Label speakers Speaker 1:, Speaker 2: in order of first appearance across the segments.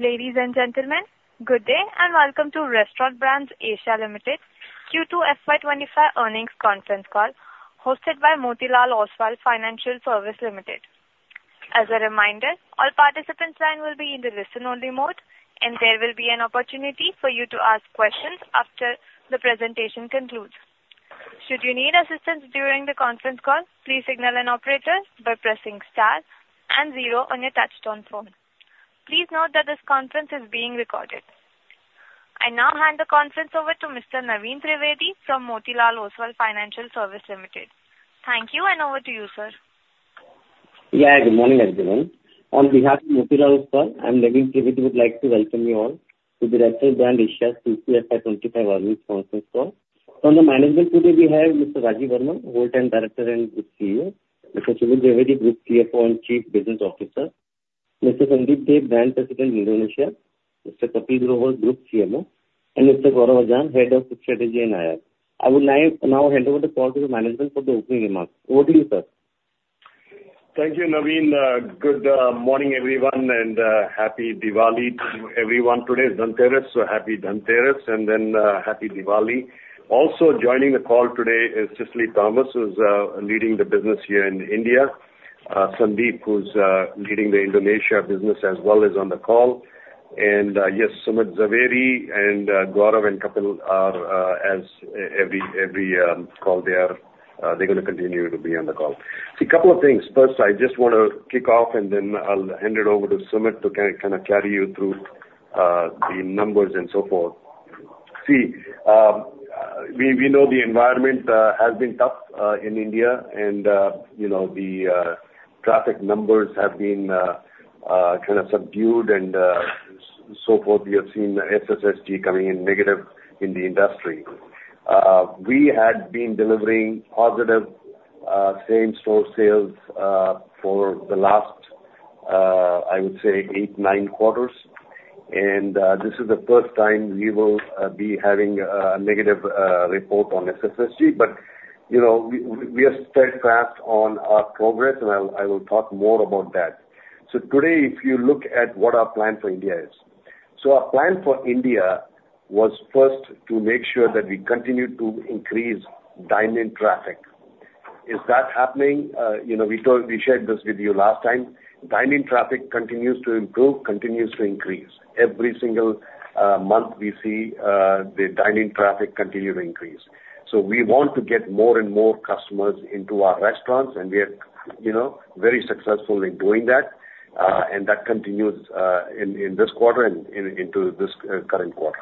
Speaker 1: Ladies and gentlemen, good day, and welcome to Restaurant Brands Asia Limited Q2 FY 2025 Earnings Conference Call, hosted by Motilal Oswal Financial Services Limited. As a reminder, all participants' lines will be in the listen-only mode, and there will be an opportunity for you to ask questions after the presentation concludes. Should you need assistance during the conference call, please signal an operator by pressing star and zero on your touchtone phone. Please note that this conference is being recorded. I now hand the conference over to Mr. Naveen Trivedi from Motilal Oswal Financial Services Limited. Thank you, and over to you, sir.
Speaker 2: Yeah, good morning, everyone. On behalf of Motilal Oswal, I'm Naveen Trivedi. I would like to welcome you all to the Restaurant Brands Asia Q2 FY 2025 Earnings Conference Call. From the management today, we have Mr. Rajeev Varman, Whole-time Director and Group CEO, Mr. Sumit Zaveri, Group CFO and Chief Business Officer, Mr. Sandeep Dey, Brand President, Indonesia, Mr. Kapil Grover, Group CMO, and Mr. Gaurav Ajjan, Head of Strategy and IR. I would like now hand over the call to the management for the opening remarks. Over to you, sir.
Speaker 3: Thank you, Naveen. Good morning, everyone, and Happy Diwali to everyone. Today is Dhanteras, so happy Dhanteras, and then Happy Diwali. Also joining the call today is Cicily Thomas, who's leading the business here in India. Sandeep, who's leading the Indonesia business as well, is on the call. And yes, Sumit Zaveri and Gaurav and Kapil are, as every call they are, they're going to continue to be on the call. See, a couple of things. First, I just wanna kick off, and then I'll hand it over to Sumit to kinda carry you through the numbers and so forth. See, we know the environment has been tough in India, and you know, the traffic numbers have been kind of subdued and so forth. We have seen SSSG coming in negative in the industry. We had been delivering positive same-store sales for the last, I would say, eight, nine quarters, and this is the first time we will be having a negative report on SSSG. But you know, we are steadfast on our progress, and I will talk more about that, so today, if you look at what our plan for India is, so our plan for India was first to make sure that we continue to increase dine-in traffic. Is that happening? You know, we shared this with you last time. Dine-in traffic continues to improve, continues to increase. Every single month we see the dine-in traffic continue to increase. So we want to get more and more customers into our restaurants, and we are, you know, very successful in doing that. And that continues in this quarter and into this current quarter.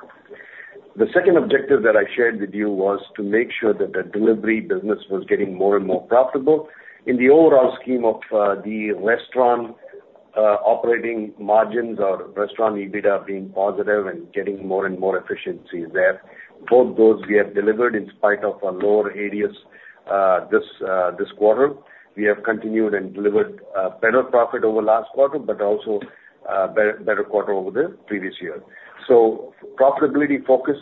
Speaker 3: The second objective that I shared with you was to make sure that the delivery business was getting more and more profitable. In the overall scheme of the restaurant operating margins or restaurant EBITDA being positive and getting more and more efficiency there, both those we have delivered in spite of a lower ADS this quarter. We have continued and delivered better profit over last quarter, but also better quarter over the previous year. So profitability focus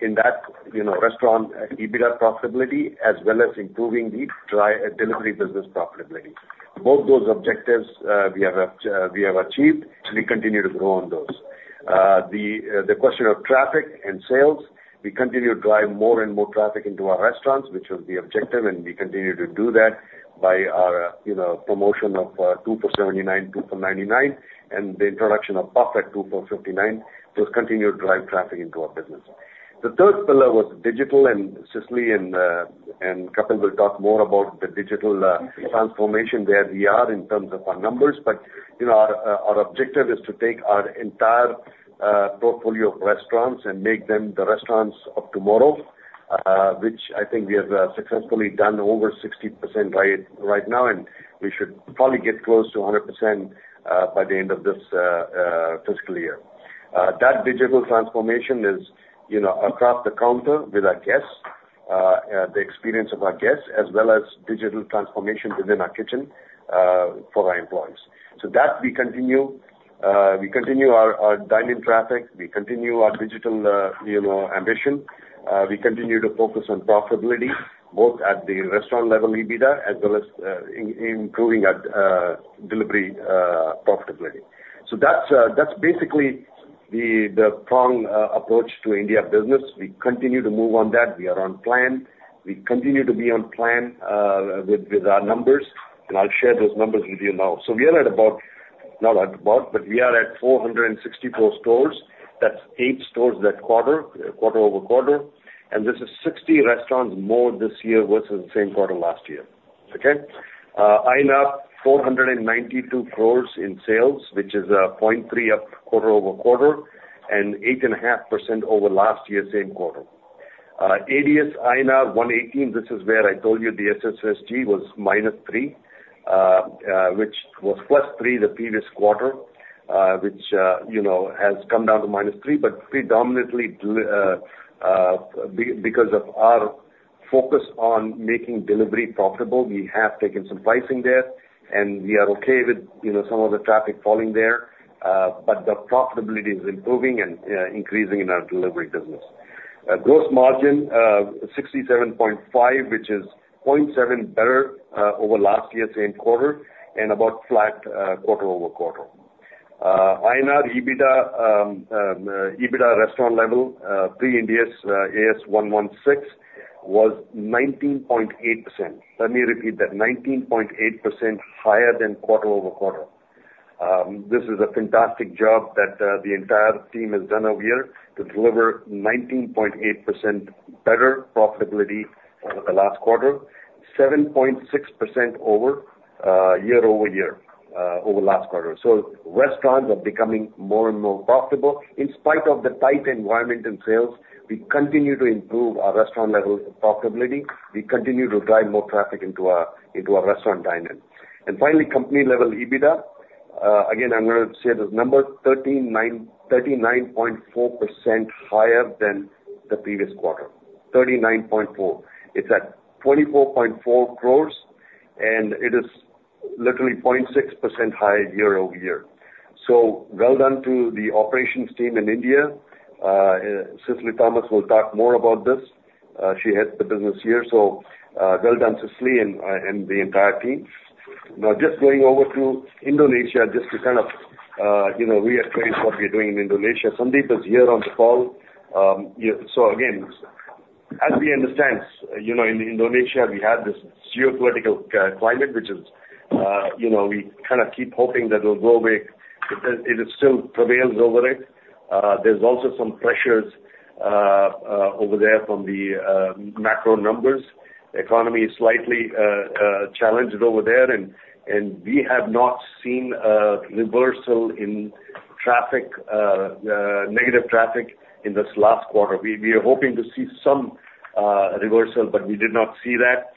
Speaker 3: in that, you know, restaurant EBITDA profitability, as well as improving the dry delivery business profitability. Both those objectives, we have achieved, so we continue to grow on those. The question of traffic and sales, we continue to drive more and more traffic into our restaurants, which was the objective, and we continue to do that by our, you know, promotion of 2 for 79, 2 for 99, and the introduction of puff at 2 for 59. So it's continued to drive traffic into our business. The third pillar was digital, and Cicily and Kapil will talk more about the digital transformation, where we are in terms of our numbers. But you know, our objective is to take our entire portfolio of restaurants and make them the restaurants of tomorrow, which I think we have successfully done over 60% right now, and we should probably get close to 100% by the end of this fiscal year. That digital transformation is, you know, across the counter with our guests, the experience of our guests, as well as digital transformation within our kitchen for our employees. So that we continue. We continue our dine-in traffic. We continue our digital, you know, ambition. We continue to focus on profitability, both at the restaurant level EBITDA as well as improving our delivery profitability. So that's basically the prong approach to India business. We continue to move on that. We are on plan. We continue to be on plan with our numbers, and I'll share those numbers with you now. So we are at about, not at about, but we are at 464 stores. That's 8 stores that quarter, quarter-over-quarter, and this is 60 restaurants more this year versus the same quarter last year. Okay? INAB, 492 crores in sales, which is 0.3% up quarter-over-quarter, and 8.5% over last year's same quarter. India's INAB 118, this is where I told you the SSSG was -3, which was +3 the previous quarter, which, has come down to minus three, but predominantly because of our focus on making delivery profitable, we have taken some pricing there, and we are okay with, you know, some of the traffic falling there. But the profitability is improving and increasing in our delivery business. Gross margin, 67.5, which is 0.7 better over last year's same quarter, and about flat, quarter-over-quarter. India EBITDA, EBITDA restaurant level, pre-Ind AS 116, was 19.8%. Let me repeat that. 19.8% higher than quarter-over-quarter. This is a fantastic job that the entire team has done over here to deliver 19.8% better profitability over the last quarter, 7.6% over year-over-year over last quarter. So restaurants are becoming more and more profitable. In spite of the tight environment and sales, we continue to improve our restaurant level profitability. We continue to drive more traffic into our, into our restaurant dine-in. And finally, company level EBITDA. Again, I'm going to say this number, 39.4% higher than the previous quarter. 39.4. It's at 24.4 crores, and it is literally point six percent higher year-over-year. So well done to the operations team in India. Cicely Thomas will talk more about this. She heads the business here, so, well done, Cicely, and the entire team. Now, just going over to Indonesia, just to kind of, you know, reiterate what we're doing in Indonesia. Sandeep is here on the call. So again, as we understand, you know, in Indonesia, we have this geopolitical climate, which is we kind of keep hoping that it will go away, but it still prevails over there. There's also some pressures over there from the macro numbers. The economy is slightly challenged over there, and we have not seen a reversal in traffic, negative traffic in this last quarter. We are hoping to see some reversal, but we did not see that.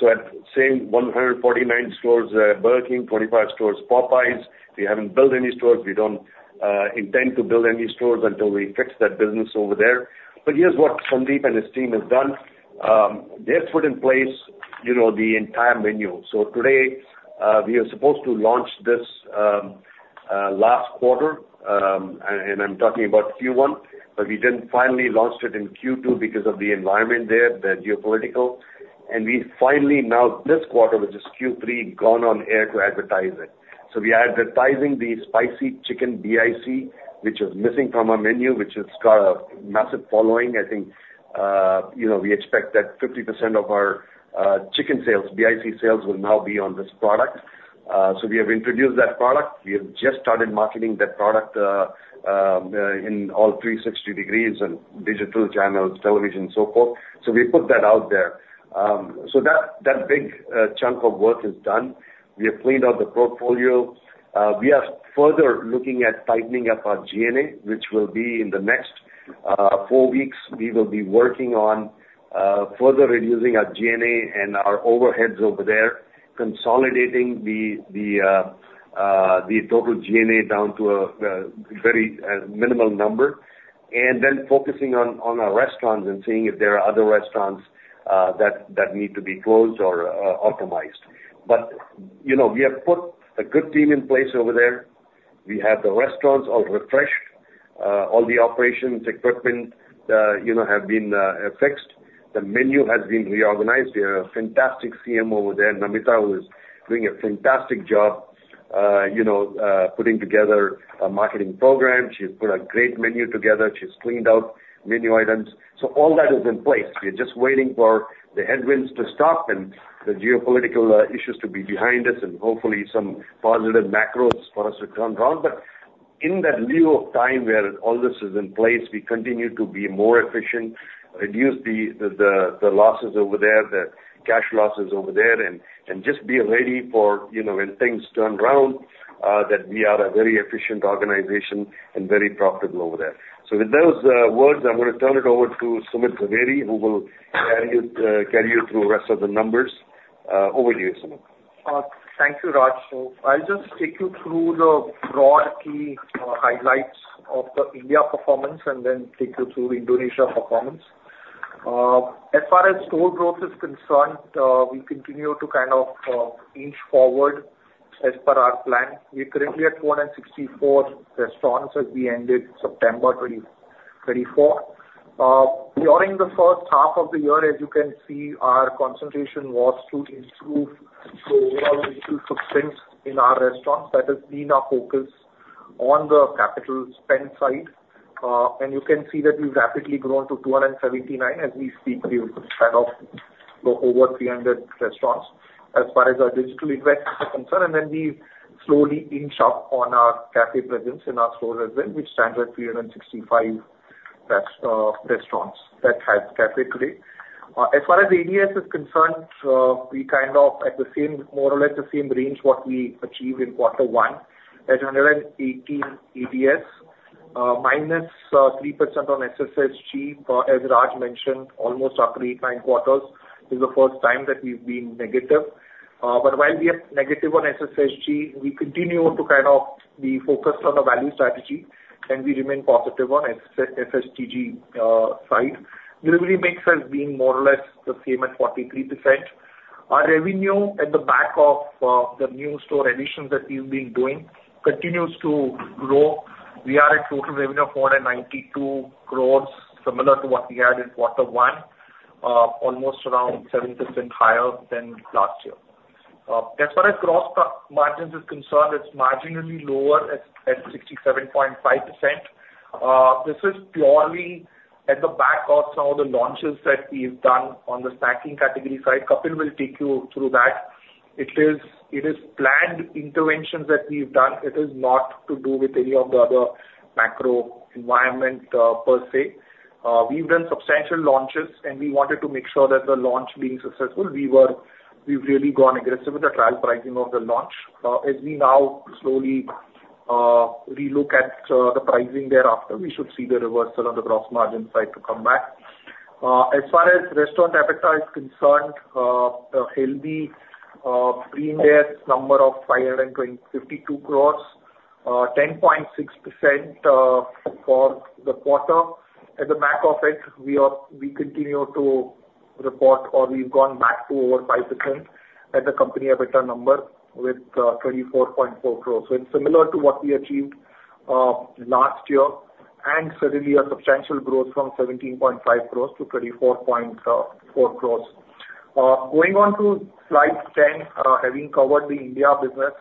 Speaker 3: So at same 149 stores, Burger King, 25 stores, Popeyes. We haven't built any stores. We don't intend to build any stores until we fix that business over there. But here's what Sandeep and his team have done. They've put in place the entire menu. So today, we are supposed to launch this last quarter, and I'm talking about Q1, but we then finally launched it in Q2 because of the environment there, the geopolitical. And we finally, now, this quarter, which is Q3, gone on air to advertise it. So we are advertising the spicy chicken BIC, which is missing from our menu, which has got a massive following. I think, you know, we expect that 50% of our chicken sales, BIC sales, will now be on this product. So we have introduced that product. We have just started marketing that product in all 360-degree and digital channels, television, so forth. So we put that out there. So that big chunk of work is done. We have cleaned out the portfolio. We are further looking at tightening up our G&A, which will be in the next four weeks. We will be working on further reducing our G&A and our overheads over there, consolidating the total G&A down to a very minimal number, and then focusing on our restaurants and seeing if there are other restaurants that need to be closed or optimized. But, you know, we have put a good team in place over there. We have the restaurants all refreshed, all the operations, equipment, you know, have been fixed. The menu has been reorganized. We have a fantastic CMO over there, Namita, who is doing a fantastic job, you know, putting together a marketing program. She's put a great menu together. She's cleaned out menu items. So all that is in place. We are just waiting for the headwinds to stop and the geopolitical issues to be behind us, and hopefully some positive macros for us to turn around. But in the interim where all this is in place, we continue to be more efficient, reduce the losses over there, the cash losses over there, and just be ready for, when things turn around, that we are a very efficient organization and very profitable over there. So with those words, I'm going to turn it over to Sumit Zaveri, who will carry you through the rest of the numbers. Over to you, Sumit.
Speaker 4: Thank you, Raj. So I'll just take you through the broad key highlights of the India performance and then take you through Indonesia performance. As far as store growth is concerned, we continue to kind of inch forward as per our plan. We're currently at 264 restaurants as we ended September 2024. During the first half of the year, as you can see, our concentration was to improve the overall substance in our restaurants. That has been our focus on the capital spend side. And you can see that we've rapidly grown to 279. As we speak, we will kind of go over 300 restaurants as far as our digital investment are concerned. Then we slowly inch up on our cafe presence in our stores as well, which stands at 365 restaurants that have cafe today. As far as ADS is concerned, we kind of at the same, more or less the same range, what we achieved in quarter one, at 118 ADS,-3% on SSSG. As Raj mentioned, almost after 8, 9 quarters, this is the first time that we've been negative. But while we are negative on SSSG, we continue to kind of be focused on the value strategy, and we remain positive on SSS-SSTG side. Delivery mix has been more or less the same at 43%. Our revenue at the back of, the new store additions that we've been doing continues to grow. We are at total revenue of 492 crores, similar to what we had in quarter one, almost around 7% higher than last year. As far as gross margins is concerned, it's marginally lower at 67.5%. This is purely at the back of some of the launches that we've done on the snacking category side. Kapil will take you through that. It is planned interventions that we've done. It is not to do with any of the other macro environment, per se. We've done substantial launches, and we wanted to make sure that the launch being successful, we've really gone aggressive with the trial pricing of the launch. As we now slowly relook at the pricing thereafter, we should see the reversal on the gross margin side to come back. As far as restaurant EBITDA is concerned, it'll be pre-Ind AS 116 number of INR 552 crores, 10.6%, for the quarter. At the back of it, we continue to report, or we've gone back to over 5% as a company EBITDA number with 24.4 crores. So it's similar to what we achieved last year, and certainly a substantial growth from 17.5 crores to 24.4 crores. Going on to slide 10, having covered the India business,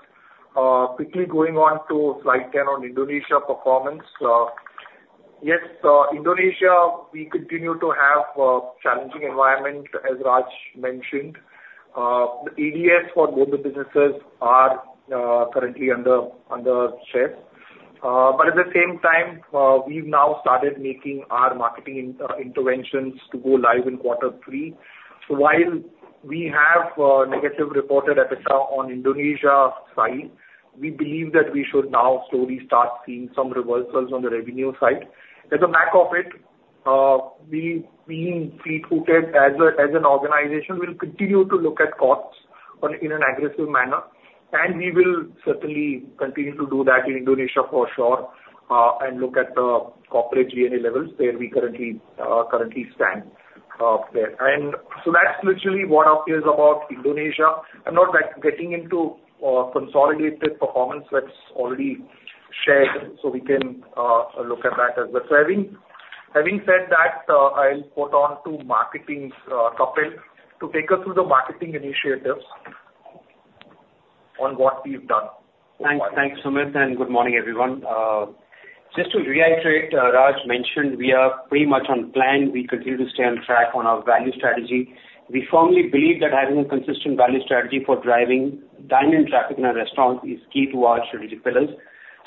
Speaker 4: quickly going on to slide 10 on Indonesia performance. Yes, Indonesia, we continue to have a challenging environment, as Raj mentioned. The EBITDA for both the businesses are currently under check. But at the same time, we've now started making our marketing interventions to go live in quarter three. So while we have negative reported EBITDA on Indonesia side, we believe that we should now slowly start seeing some reversals on the revenue side. At the back of it, we, being fleet-footed as a, as an organization, we'll continue to look at costs in an aggressive manner, and we will certainly continue to do that in Indonesia, for sure, and look at the corporate G&A levels where we currently stand there. And so that's literally what updates about Indonesia. I'm not back getting into consolidated performance that's already shared, so we can look at that as well. So having said that, I'll put on to marketing's Kapil, to take us through the marketing initiatives on what we've done.
Speaker 5: Thanks. Thanks, Sumit, and good morning, everyone. Just to reiterate, Raj mentioned, we are pretty much on plan. We continue to stay on track on our value strategy. We firmly believe that having a consistent value strategy for driving dine-in traffic in our restaurants is key to our strategic pillars.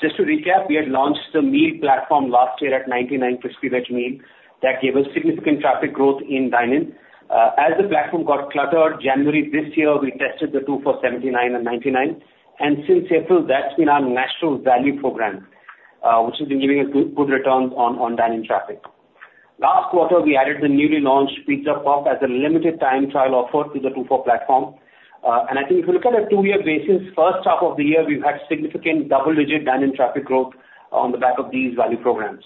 Speaker 5: Just to recap, we had launched the meal platform last year at 99 Crispy Veg Meal. That gave us significant traffic growth in dine-in. As the platform got cluttered, January this year, we tested the two for 79 and 99, and since April, that's been our national value program, which has been giving us good, good returns on dine-in traffic. Last quarter, we added the newly launched Pizza Puff as a limited time trial offer to the two for platform. And I think if you look at a two-year basis, first half of the year, we've had significant double-digit dine-in traffic growth on the back of these value programs.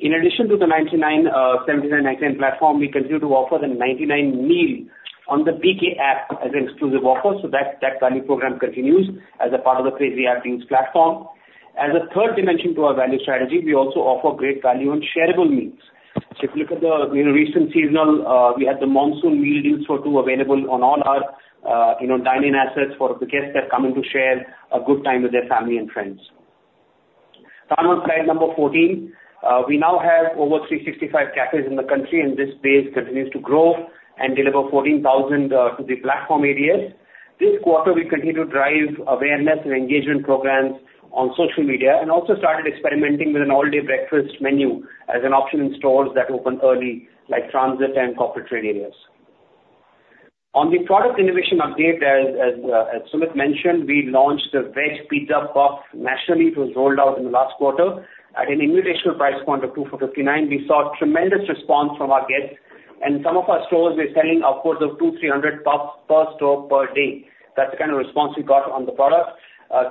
Speaker 5: In addition to the ninety-nine, seventy-nine, ninety-nine platform, we continue to offer the ninety-nine meal on the BK App as an exclusive offer, so that value program continues as a part of the Crazy Hour deals platform. As a third dimension to our value strategy, we also offer great value on shareable meals. So if you look at the recent seasonal, we had the monsoon meal deals for two available on all our, dine-in assets for the guests that come in to share a good time with their family and friends. Turn on slide number 14. We now have over 365 cafes in the country, and this base continues to grow and deliver 14,000 to the platform ADS. This quarter, we continue to drive awareness and engagement programs on social media and also started experimenting with an all-day breakfast menu as an option in stores that open early, like transit and corporate trade areas. On the product innovation update, as Sumit mentioned, we launched the Veg Pizza Puff nationally. It was rolled out in the last quarter at an invitational price point of 2 for 59. We saw tremendous response from our guests, and some of our stores were selling upwards of 200-300 puffs per store per day. That's the kind of response we got on the product.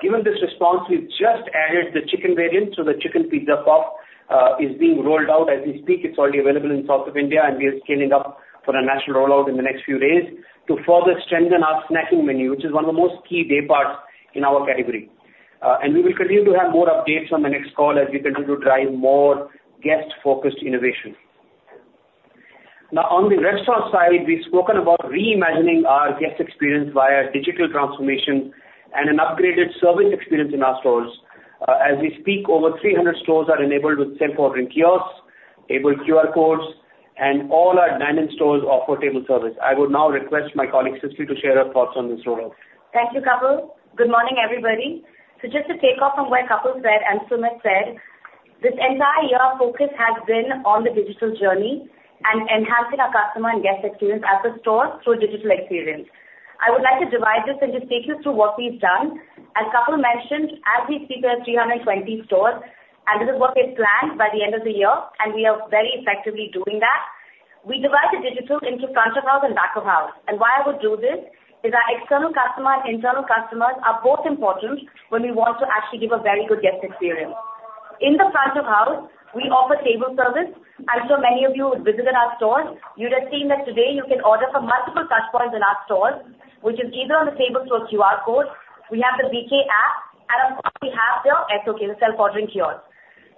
Speaker 5: Given this response, we've just added the chicken variant, so the Chicken Pizza Puff is being rolled out as we speak. It's already available in South India, and we are scaling up for a national rollout in the next few days to further strengthen our snacking menu, which is one of the most key day parts in our category. And we will continue to have more updates on the next call as we continue to drive more guest-focused innovation. Now, on the restaurant side, we've spoken about reimagining our guest experience via digital transformation and an upgraded service experience in our stores. As we speak, over three hundred stores are enabled with self-ordering kiosks, enabled QR codes, and all our dine-in stores offer table service. I would now request my colleague, Cicily to share her thoughts on this rollout.
Speaker 6: Thank you, Kapil. Good morning, everybody. So just to take off from where Kapil said and Sumit said, this entire year, our focus has been on the digital journey and enhancing our customer and guest experience at the store through digital experience. I would like to divide this and just take you through what we've done. As Kapil mentioned, as we speak, we have three hundred and twenty stores, and this is what we've planned by the end of the year, and we are very effectively doing that. We divide the digital into front of house and back of house. And why I would do this, is our external customer and internal customers are both important when we want to actually give a very good guest experience. In the front of house, we offer table service. I'm sure many of you who have visited our stores, you'd have seen that today you can order from multiple touchpoints in our stores, which is either on the tables through a QR code, we have the BK App, and of course, we have the SOK, the self-ordering kiosk.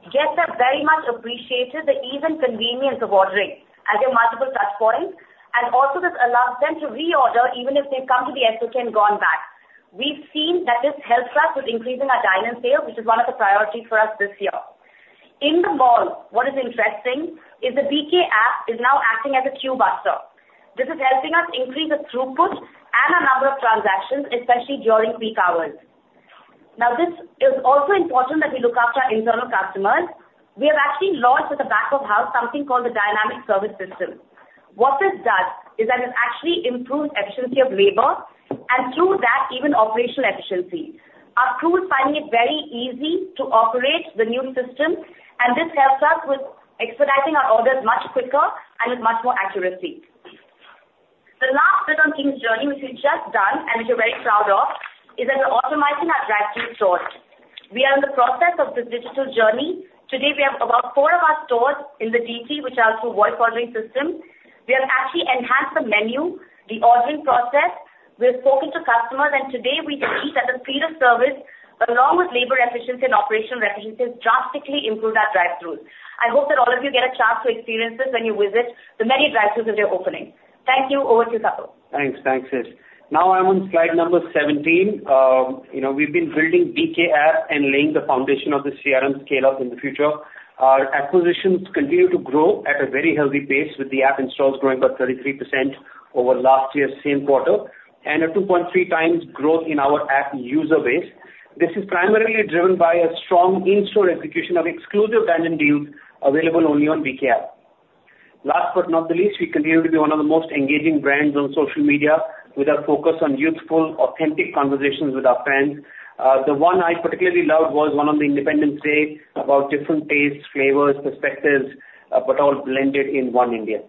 Speaker 6: Guests have very much appreciated the ease and convenience of ordering as there are multiple touchpoints, and also this allows them to reorder even if they've come to the SOK and gone back. We've seen that this helps us with increasing our dine-in sales, which is one of the priorities for us this year. In the mall, what is interesting is the BK App is now acting as a queue buster. This is helping us increase the throughput and the number of transactions, especially during peak hours. Now, this is also important that we look after our internal customers. We have actually launched at the back of house, something called the dynamic service system. What this does is that it actually improves efficiency of labor, and through that, even operational efficiency. Our crew is finding it very easy to operate the new system, and this helps us with expediting our orders much quicker and with much more accuracy. The last bit on team's journey, which we've just done and which we're very proud of, is that we're automating our drive-thru stores. We are in the process of this digital journey. Today, we have about four of our stores in the DT, which are through voice ordering system. We have actually enhanced the menu, the ordering process. We have spoken to customers, and today, we believe that the speed of service, along with labor efficiency and operational efficiencies, drastically improve our drive-thrus. I hope that all of you get a chance to experience this when you visit the many drive-thrus that we are opening. Thank you. Over to you, Kapil.
Speaker 5: Thanks. Thanks, Sis. Now I'm on slide number 17. You know, we've been building BK app and laying the foundation of this CRM scale-up in the future. Our acquisitions continue to grow at a very healthy pace, with the app installs growing by 33% over last year's same quarter, and a 2.3x growth in our app user base. This is primarily driven by a strong in-store execution of exclusive brand and deals available only on BK app. Last but not the least, we continue to be one of the most engaging brands on social media, with our focus on youthful, authentic conversations with our fans. The one I particularly loved was one on the Independence Day about different tastes, flavors, perspectives, but all blended in one India.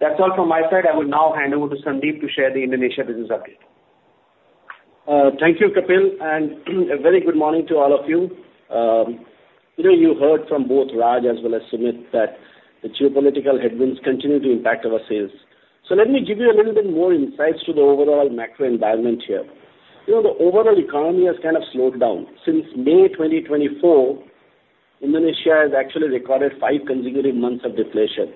Speaker 5: That's all from my side. I will now hand over to Sandeep to share the Indonesia business update.
Speaker 3: Thank you, Kapil, and a very good morning to all of you. Today, you heard from both Raj as well as Sumit, that the geopolitical headwinds continue to impact our sales, so let me give you a little bit more insights to the overall macro environment here. You know, the overall economy has kind of slowed down. Since May 2024, Indonesia has actually recorded five consecutive months of deflation.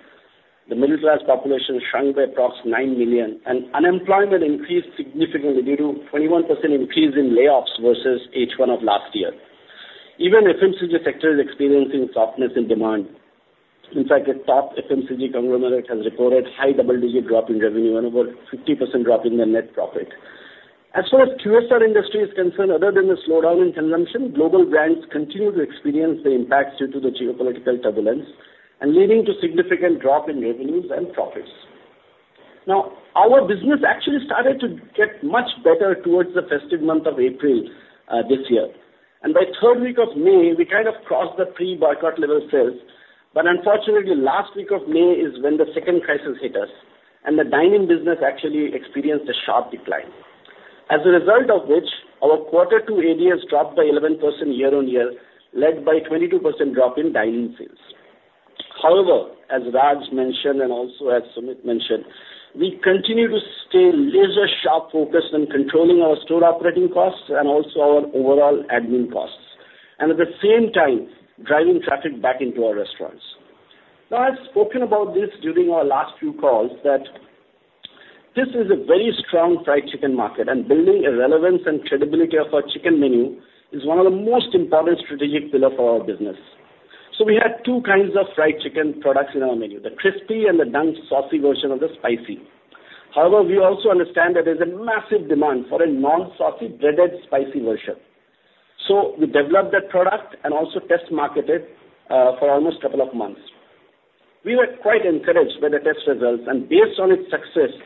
Speaker 3: The middle-class population shrunk by approximately 9 million, and unemployment increased significantly due to 21% increase in layoffs versus H1 of last year. Even FMCG sector is experiencing softness in demand. In fact, the top FMCG conglomerate has reported high double-digit drop in revenue and over 50% drop in their net profit. As far as QSR industry is concerned, other than the slowdown in consumption, global brands continue to experience the impacts due to the geopolitical turbulence and leading to significant drop in revenues and profits. Now, our business actually started to get much better towards the festive month of April, this year, and by third week of May, we kind of crossed the pre-boycott level sales. But unfortunately, last week of May is when the second crisis hit us, and the dine-in business actually experienced a sharp decline. As a result of which, our quarter two ADS dropped by 11% year-on-year, led by 22% drop in dine-in sales. However, as Raj mentioned, and also as Sumit mentioned, we continue to stay laser-sharp focused on controlling our store operating costs and also our overall admin costs, and at the same time, driving traffic back into our restaurants. Now, I've spoken about this during our last few calls, that this is a very strong fried chicken market, and building a relevance and credibility of our chicken menu is one of the most important strategic pillar for our business. So we have two kinds of fried chicken products in our menu, the crispy and the dunk saucy version of the spicy. However, we also understand that there's a massive demand for a non-saucy, breaded, spicy version. So we developed that product and also test-marketed for almost couple of months. We were quite encouraged by the test results, and based on its success,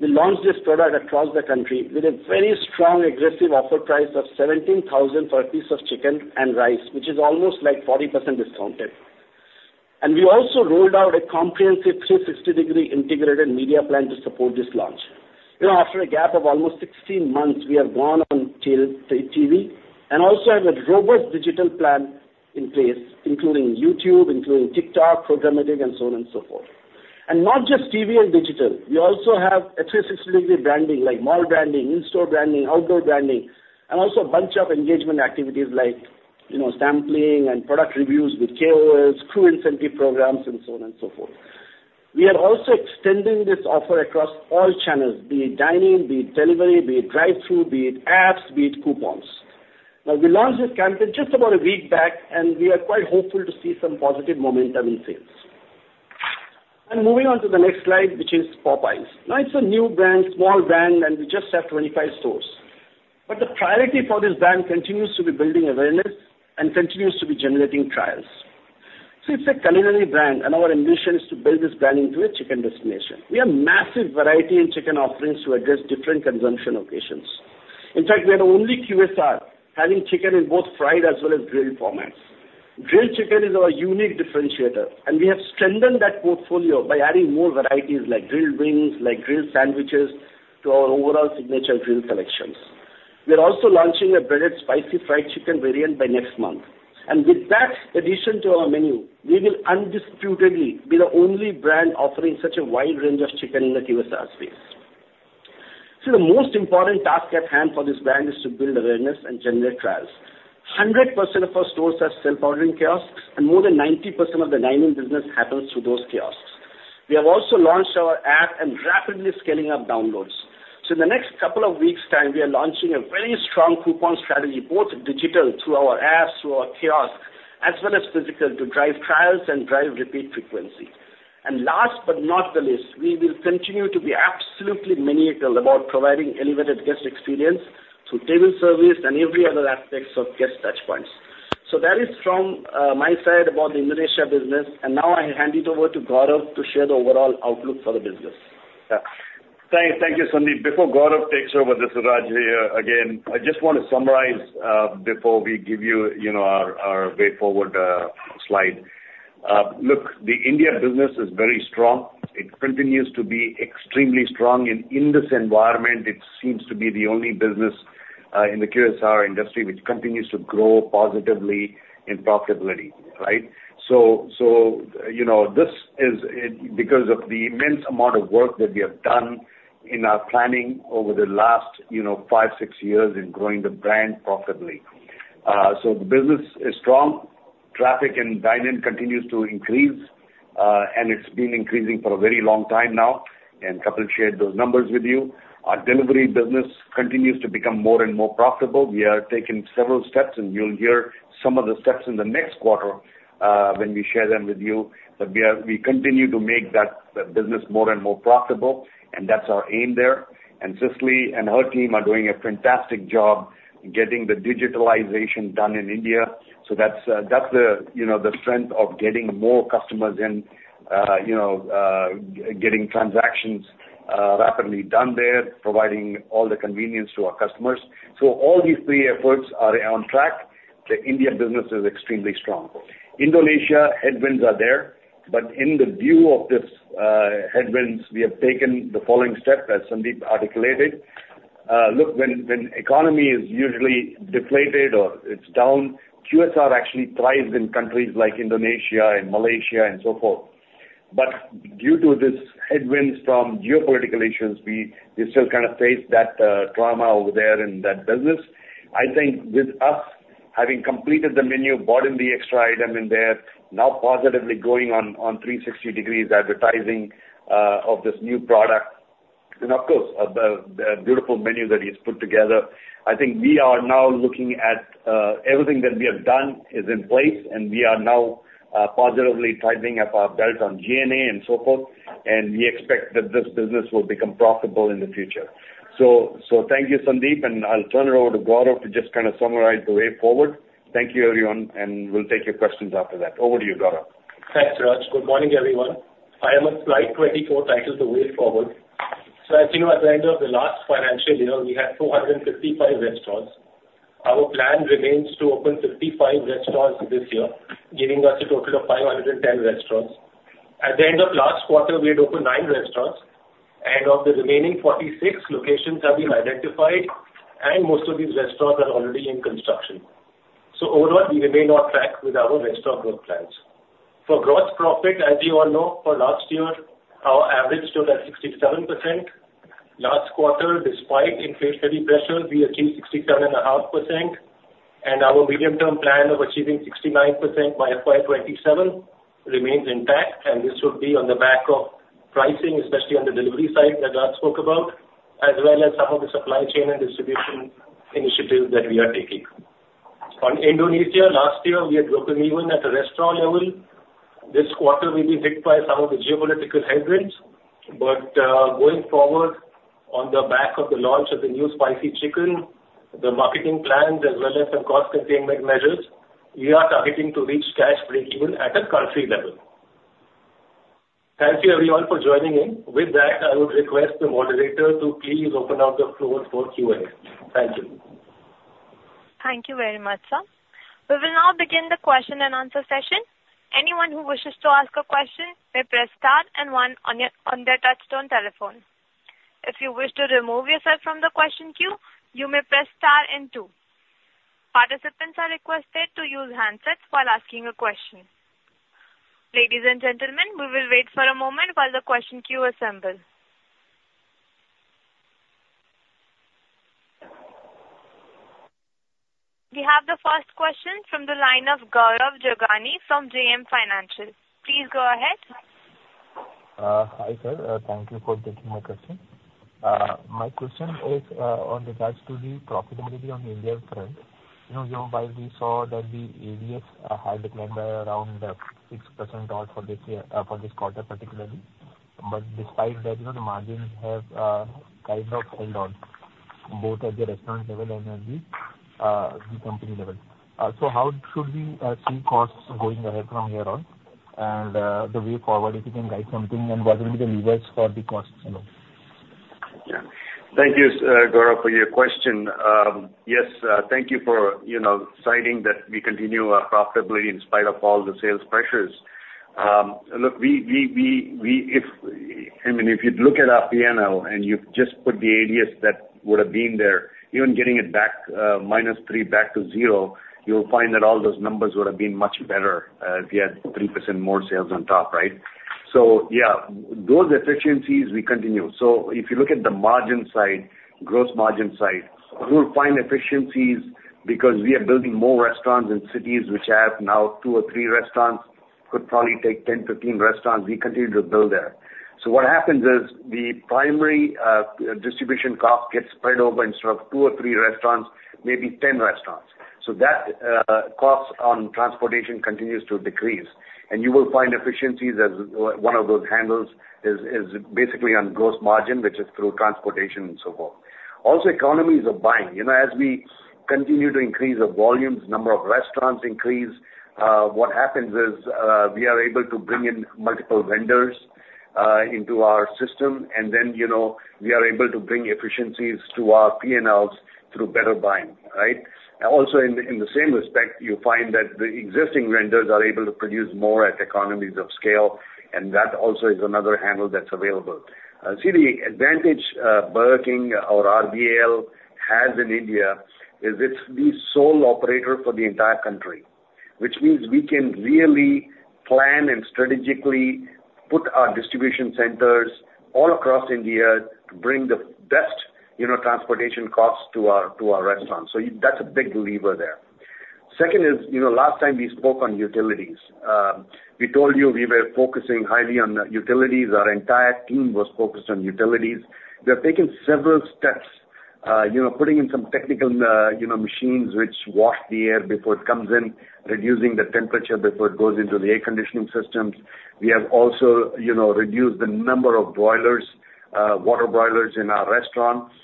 Speaker 3: we launched this product across the country with a very strong aggressive offer price of 17,000 for a piece of chicken and rice, which is almost like 40% discounted. We also rolled out a comprehensive three sixty degree integrated media plan to support this launch. You know, after a gap of almost sixteen months, we have gone on till the TV and also have a robust digital plan in place, including YouTube, including TikTok, programmatic, and so on and so forth. Not just TV and digital, we also have a three- sixty-degree branding, like mall branding, in-store branding, outdoor branding, and also a bunch of engagement activities like, you know, sampling and product reviews with KOLs, crew incentive programs, and so on and so forth. We are also extending this offer across all channels, be it dine-in, be it delivery, be it drive-thru, be it apps, be it coupons. Now, we launched this campaign just about a week back, and we are quite hopeful to see some positive momentum in sales. And moving on to the next slide, which is Popeyes. Now, it's a new brand, small brand, and we just have 25 stores. But the priority for this brand continues to be building awareness and continues to be generating trials. So it's a culinary brand, and our ambition is to build this brand into a chicken destination. We have massive variety in chicken offerings to address different consumption occasions. In fact, we are the only QSR having chicken in both fried as well as grilled formats. Grilled chicken is our unique differentiator, and we have strengthened that portfolio by adding more varieties like grilled wings, like grilled sandwiches to our overall signature grilled collections. We are also launching a breaded spicy fried chicken variant by next month. And with that addition to our menu, we will undisputedly be the only brand offering such a wide range of chicken in the QSR space. So the most important task at hand for this brand is to build awareness and generate trials. 100% of our stores have self-ordering kiosks, and more than 90% of the dining business happens through those kiosks. We have also launched our app and rapidly scaling up downloads. So in the next couple of weeks' time, we are launching a very strong coupon strategy, both digital, through our apps, through our kiosk, as well as physical, to drive trials and drive repeat frequency. And last but not the least, we will continue to be absolutely maniacal about providing elevated guest experience through table service and every other aspects of guest touch points. That is from my side about the Indonesia business, and now I hand it over to Gaurav to share the overall outlook for the business.
Speaker 7: Yeah. Thank you, Sandeep. Before Gaurav takes over, this is Raj here again. I just want to summarize before we give you, you know, our way forward slide. Look, the India business is very strong. It continues to be extremely strong, and in this environment, it seems to be the only business in the QSR industry which continues to grow positively in profitability, right? So, you know, this is it because of the immense amount of work that we have done in our planning over the last, you know, five, six years in growing the brand profitably. So the business is strong. Traffic and dine-in continues to increase, and it's been increasing for a very long time now, and Kapil shared those numbers with you. Our delivery business continues to become more and more profitable. We are taking several steps, and you'll hear some of the steps in the next quarter, when we share them with you. But we are-- we continue to make that business more and more profitable, and that's our aim there. And Cicely and her team are doing a fantastic job getting the digitalization done in India. So that's, that's the, you know, the strength of getting more customers in, you know, getting transactions rapidly done there, providing all the convenience to our customers. So all these three efforts are on track. The India business is extremely strong. Indonesia, headwinds are there, but in the view of this headwinds, we have taken the following step, as Sandeep articulated. Look, when the economy is usually deflated or it's down, QSR actually thrives in countries like Indonesia and Malaysia and so forth. But due to these headwinds from geopolitical issues, we still kind of face that trauma over there in that business. I think with us having completed the menu, brought in the extra item in there, now positively going on 360-degree advertising of this new product, and of course, the beautiful menu that he's put together, I think we are now looking at everything that we have done is in place, and we are now positively tightening up our belt on G&A and so forth, and we expect that this business will become profitable in the future. So thank you, Sandeep, and I'll turn it over to Gaurav to just kind of summarize the way forward. Thank you, everyone, and we'll take your questions after that. Over to you, Gaurav.
Speaker 8: Thanks, Raj. Good morning, everyone. I am on slide 24, titled The Way Forward. I think at the end of the last financial year, we had 455 restaurants. Our plan remains to open 55 restaurants this year, giving us a total of 510 restaurants. At the end of last quarter, we had opened nine restaurants, and of the remaining 46, locations have been identified, and most of these restaurants are already in construction. Overall, we remain on track with our restaurant growth plans. For gross profit, as you all know, for last year, our average stood at 67%. Last quarter, despite inflationary pressure, we achieved 67.5%, and our medium-term plan of achieving 69% by FY 2027 remains intact, and this will be on the back of pricing, especially on the delivery side that Raj spoke about, as well as some of the supply chain and distribution initiatives that we are taking. On Indonesia, last year, we had broken even at the restaurant level. This quarter we've been hit by some of the geopolitical headwinds, but, going forward, on the back of the launch of the new spicy chicken, the marketing plans, as well as some cost containment measures, we are targeting to reach cash breakeven at a country level. Thank you everyone for joining in. With that, I would request the moderator to please open up the floor for Q&A. Thank you.
Speaker 1: Thank you very much, sir. We will now begin the question and answer session. Anyone who wishes to ask a question may press star and one on their touch-tone telephone. If you wish to remove yourself from the question queue, you may press star and two. Participants are requested to use handsets while asking a question. Ladies and gentlemen, we will wait for a moment while the question queue assembles. We have the first question from the line of Gaurav Jogani from JM Financial. Please go ahead.
Speaker 9: Hi, sir. Thank you for taking my question. My question is on regards to the profitability on the India front. You know, while we saw that the ADS had declined by around 6% odd for this year, for this quarter particularly, but despite that, you know, the margins have kind of held on, both at the restaurant level and at the company level. So how should we see costs going ahead from here on? And the way forward, if you can guide something, and what will be the levers for the costs, you know?
Speaker 7: Yeah. Thank you, Gaurav, for your question. Yes, thank you for, you know, citing that we continue our profitability in spite of all the sales pressures. Look, if I mean, if you'd look at our P&L and you've just put the ADS that would have been there, even getting it back, minus three back to zero, you'll find that all those numbers would have been much better, if you had 3% more sales on top, right? So yeah, those efficiencies, we continue. If you look at the margin side, gross margin side, we'll find efficiencies because we are building more restaurants in cities which have now two or three restaurants, could probably take 10, 15 restaurants. We continue to build there. So what happens is the primary, distribution cost gets spread over instead of two or three restaurants, maybe 10 restaurants. So that, cost on transportation continues to decrease, and you will find efficiencies as one of those handles is basically on gross margin, which is through transportation and so forth. Also, economies of buying. You know, as we continue to increase the volumes, number of restaurants increase, what happens is, we are able to bring in multiple vendors into our system, and then, you know, we are able to bring efficiencies to our P&Ls through better buying, right? Also, in the same respect, you find that the existing vendors are able to produce more at economies of scale, and that also is another handle that's available. See, the advantage, Burger King or RBL has in India is it's the sole operator for the entire country, which means we can really plan and strategically put our distribution centers all across India to bring the best, you know, transportation costs to our restaurants. So that's a big lever there. Second is, you know, last time we spoke on utilities. We told you we were focusing highly on utilities. Our entire team was focused on utilities. We have taken several steps, you know, putting in some technical, you know, machines, which wash the air before it comes in, reducing the temperature before it goes into the air conditioning systems. We have also, you know, reduced the number of boilers, water boilers in our restaurants,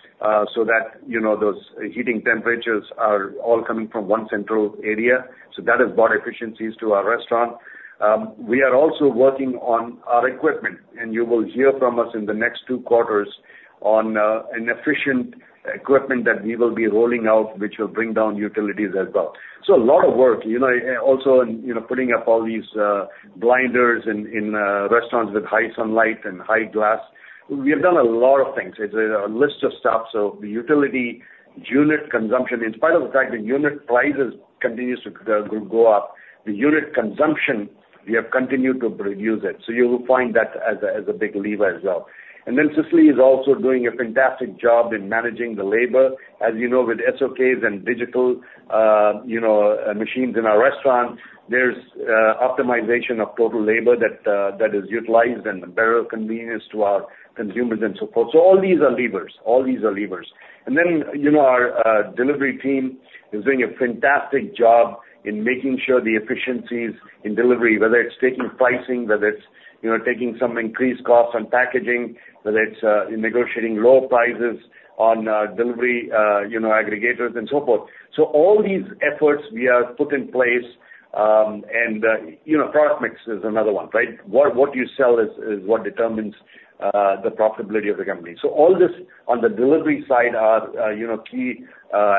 Speaker 7: so that, you know, those heating temperatures are all coming from one central area. So that has brought efficiencies to our restaurant. We are also working on our equipment, and you will hear from us in the next two quarters on an efficient equipment that we will be rolling out, which will bring down utilities as well. So a lot of work, you know, also in, you know, putting up all these blinders in restaurants with high sunlight and high glass. We have done a lot of things. It's a list of stuff. So the utility unit consumption, in spite of the fact that unit prices continues to go up, the unit consumption, we have continued to reduce it. So you will find that as a big lever as well. And then Cicely is also doing a fantastic job in managing the labor. As you know, with SOKs and digital, you know, machines in our restaurants, there's optimization of total labor that is utilized and better convenience to our consumers and so forth, so all these are levers, and then, you know, our delivery team is doing a fantastic job in making sure the efficiencies in delivery, whether it's taking pricing, whether it's, you know, taking some increased costs on packaging, whether it's in negotiating low prices on delivery, aggregators and so forth. So all these efforts we have put in place, and, you know, product mix is another one, right? What you sell is what determines the profitability of the company. So all this on the delivery side are, you know, key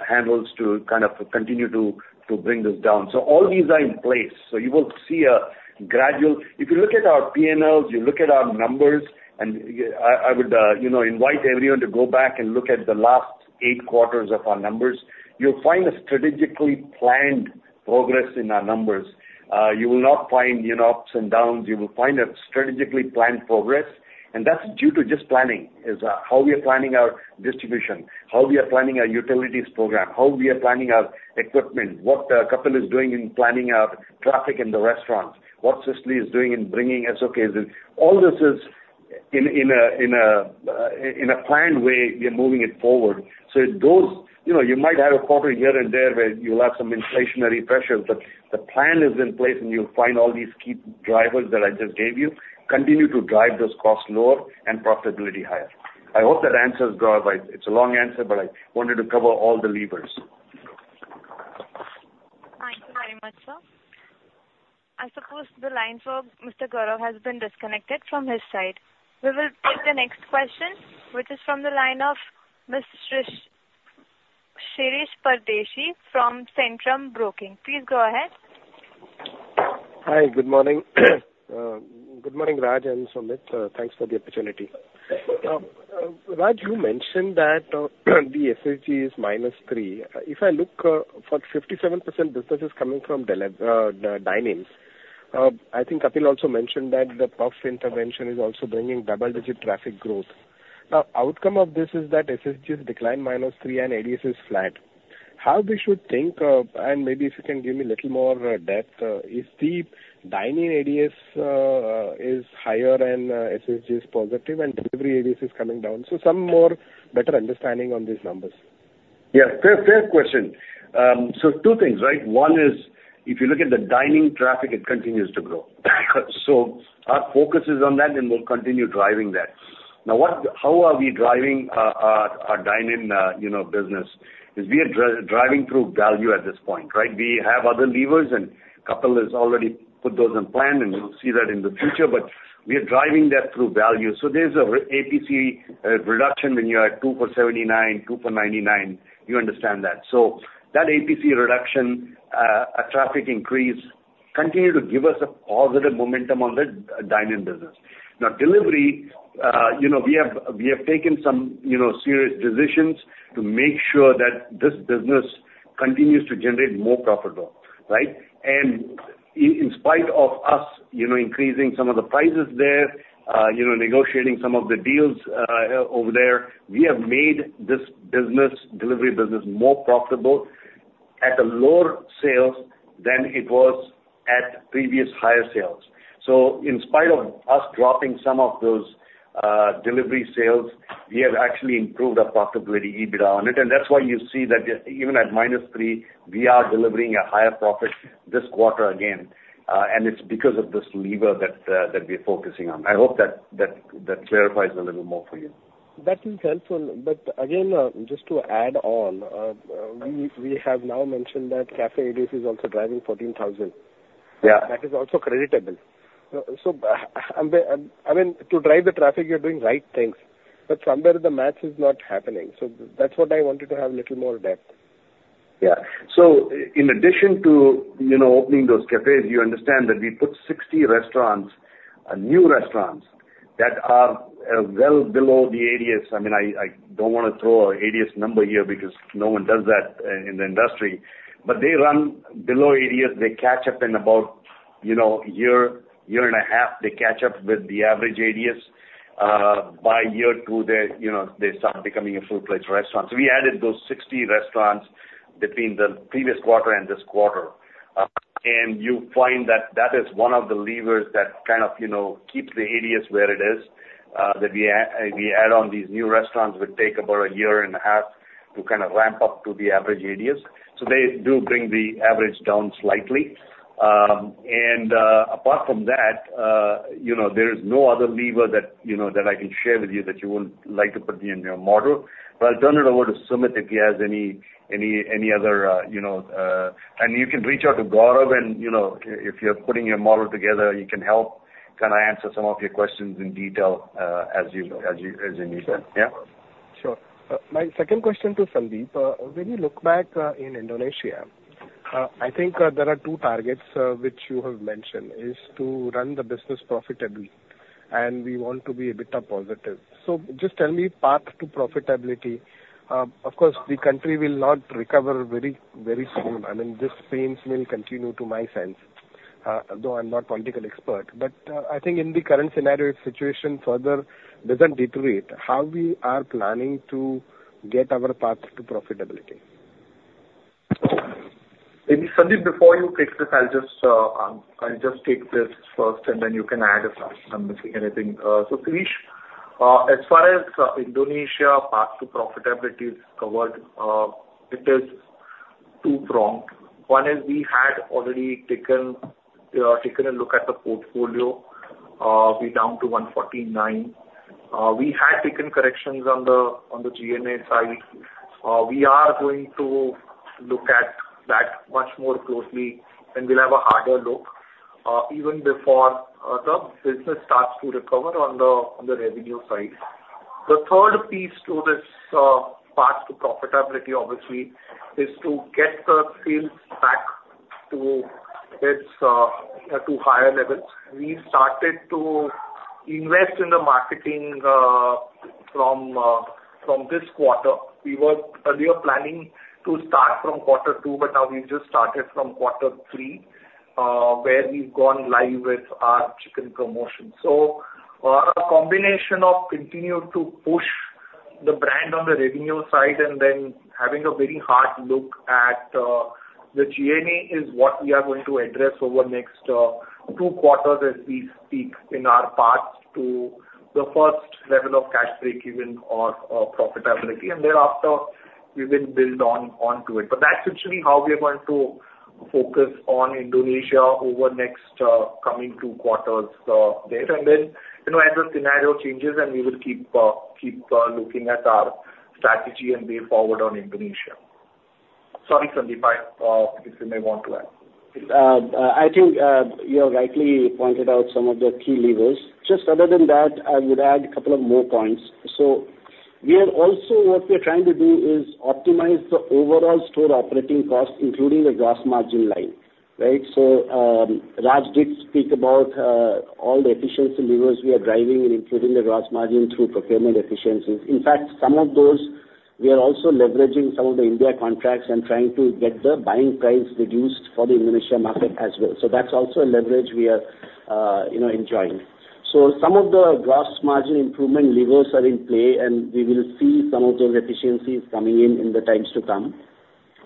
Speaker 7: handles to kind of continue to bring this down. So all these are in place. So you will see a gradual... If you look at our P&Ls, you look at our numbers, and I would, you know, invite everyone to go back and look at the last eight quarters of our numbers. You'll find a strategically planned progress in our numbers. You will not find, you know, ups and downs. You will find a strategically planned progress, and that's due to just planning. It's how we are planning our distribution, how we are planning our utilities program, how we are planning our equipment, what Kapil is doing in planning our traffic in the restaurants, what Cicely is doing in bringing SOKs. All this is in a planned way, we are moving it forward. So those-you know, you might have a quarter here and there where you'll have some inflationary pressures, but the plan is in place, and you'll find all these key drivers that I just gave you continue to drive those costs lower and profitability higher. I hope that answers, Gaurav. It's a long answer, but I wanted to cover all the levers.
Speaker 1: Thank you very much, sir. I suppose the line for Mr. Gaurav has been disconnected from his side. We will take the next question, which is from the line of Ms. Shirish Pardeshi from Centrum Broking. Please go ahead.
Speaker 10: Hi, good morning. Good morning, Raj and Sumit. Thanks for the opportunity. Raj, you mentioned that the SSG is -3%. If I look, for 57% business is coming from dine-ins. I think Kapil also mentioned that the Pizza Puff intervention is also bringing double-digit traffic growth. Now, outcome of this is that SSG has declined -3% and ADS is flat. How we should think of, and maybe if you can give me a little more depth, is the dine-in ADS is higher and SSG is positive, and delivery ADS is coming down. So some more better understanding on these numbers.
Speaker 7: Yeah, fair question. So two things, right? One is, if you look at the dine-in traffic, it continues to grow, so our focus is on that, and we'll continue driving that. Now, how are we driving our dine-in, you know, business? We are driving through value at this point, right? We have other levers and Kapil has already put those in plan, and you'll see that in the future, but we are driving that through value. So there's an APC reduction when you're at two for 79, two for 99. You understand that. So that APC reduction, a traffic increase continue to give us a positive momentum on the dine-in business. Now, delivery, you know, we have taken some, you know, serious decisions to make sure that this business continues to generate more profitable, right? In spite of us, you know, increasing some of the prices there, you know, negotiating some of the deals over there, we have made this business, delivery business, more profitable at a lower sales than it was at previous higher sales. In spite of us dropping some of those delivery sales, we have actually improved our profitability EBITDA on it, and that's why you see that even at minus three, we are delivering a higher profit this quarter again, and it's because of this lever that we're focusing on. I hope that clarifies a little more for you.
Speaker 10: That is helpful. But again, just to add on, we have now mentioned that BK Cafe ADS is also driving fourteen thousand.
Speaker 7: Yeah.
Speaker 10: That is also creditable. So, I mean, to drive the traffic, you're doing the right things, but somewhere the math is not happening. So that's what I wanted to have a little more depth.
Speaker 7: Yeah. So in addition to, you know, opening those cafes, you understand that we put 60 restaurants, new restaurants, that are well below the ADS. I mean, I don't want to throw an ADS number here because no one does that in the industry. But they run below ADS. They catch up in about, you know, a year, year and a half, they catch up with the average ADS. By year two, they start becoming a full-fledged restaurant. So we added those 60 restaurants between the previous quarter and this quarter. And you find that that is one of the levers that kind of keeps the ADS where it is. That we add on these new restaurants would take about a year and a half to kind of ramp up to the average ADS. So they do bring the average down slightly. Apart from that, you know, there is no other lever that I can share with you that you would like to put in your model. But I'll turn it over to Sumit, if he has any other, you know. And you can reach out to Gaurav and if you're putting your model together, he can help kind of answer some of your questions in detail, as you need them. Yeah?
Speaker 10: Sure. My second question to Sandeep. When you look back in Indonesia, I think there are two targets which you have mentioned, is to run the business profitably, and we want to be EBITDA positive. So just tell me path to profitability. Of course, the country will not recover very, very soon. I mean, these pains will continue, to my sense, though I'm not political expert. But I think in the current scenario, if situation further doesn't deteriorate, how we are planning to get our path to profitability?
Speaker 4: Maybe, Sandeep, before you take this, I'll just take this first, and then you can add if I'm missing anything. So, Pardeshi, as far as Indonesia path to profitability is covered, it is two-pronged. One is we had already taken a look at the portfolio. We're down to 149. We had taken corrections on the G&A side. We are going to look at that much more closely, and we'll have a harder look even before the business starts to recover on the revenue side. The third piece to this path to profitability, obviously, is to get the sales back to higher levels. We started to invest in the marketing from this quarter. We were earlier planning to start from quarter two, but now we've just started from quarter three, where we've gone live with our chicken promotion. So, a combination of continue to push the brand on the revenue side and then having a very hard look at the G&A is what we are going to address over the next two quarters as we speak, in our path to the first level of cash break-even or profitability, and thereafter, we will build on, onto it. But that's actually how we are going to focus on Indonesia over the next coming two quarters there. And then, you know, as the scenario changes, then we will keep looking at our strategy and way forward on Indonesia. Sorry, Sandeep, if you may want to add.
Speaker 3: I think you have rightly pointed out some of the key levers. Just other than that, I would add a couple of more points. We are also, what we are trying to do is optimize the overall store operating costs, including the gross margin line, right? Raj did speak about all the efficiency levers we are driving and including the gross margin through procurement efficiencies. In fact, some of those, we are also leveraging some of the India contracts and trying to get the buying price reduced for the Indonesia market as well. So that's also a leverage we are, you know, enjoying. Some of the gross margin improvement levers are in play, and we will see some of those efficiencies coming in in the times to come.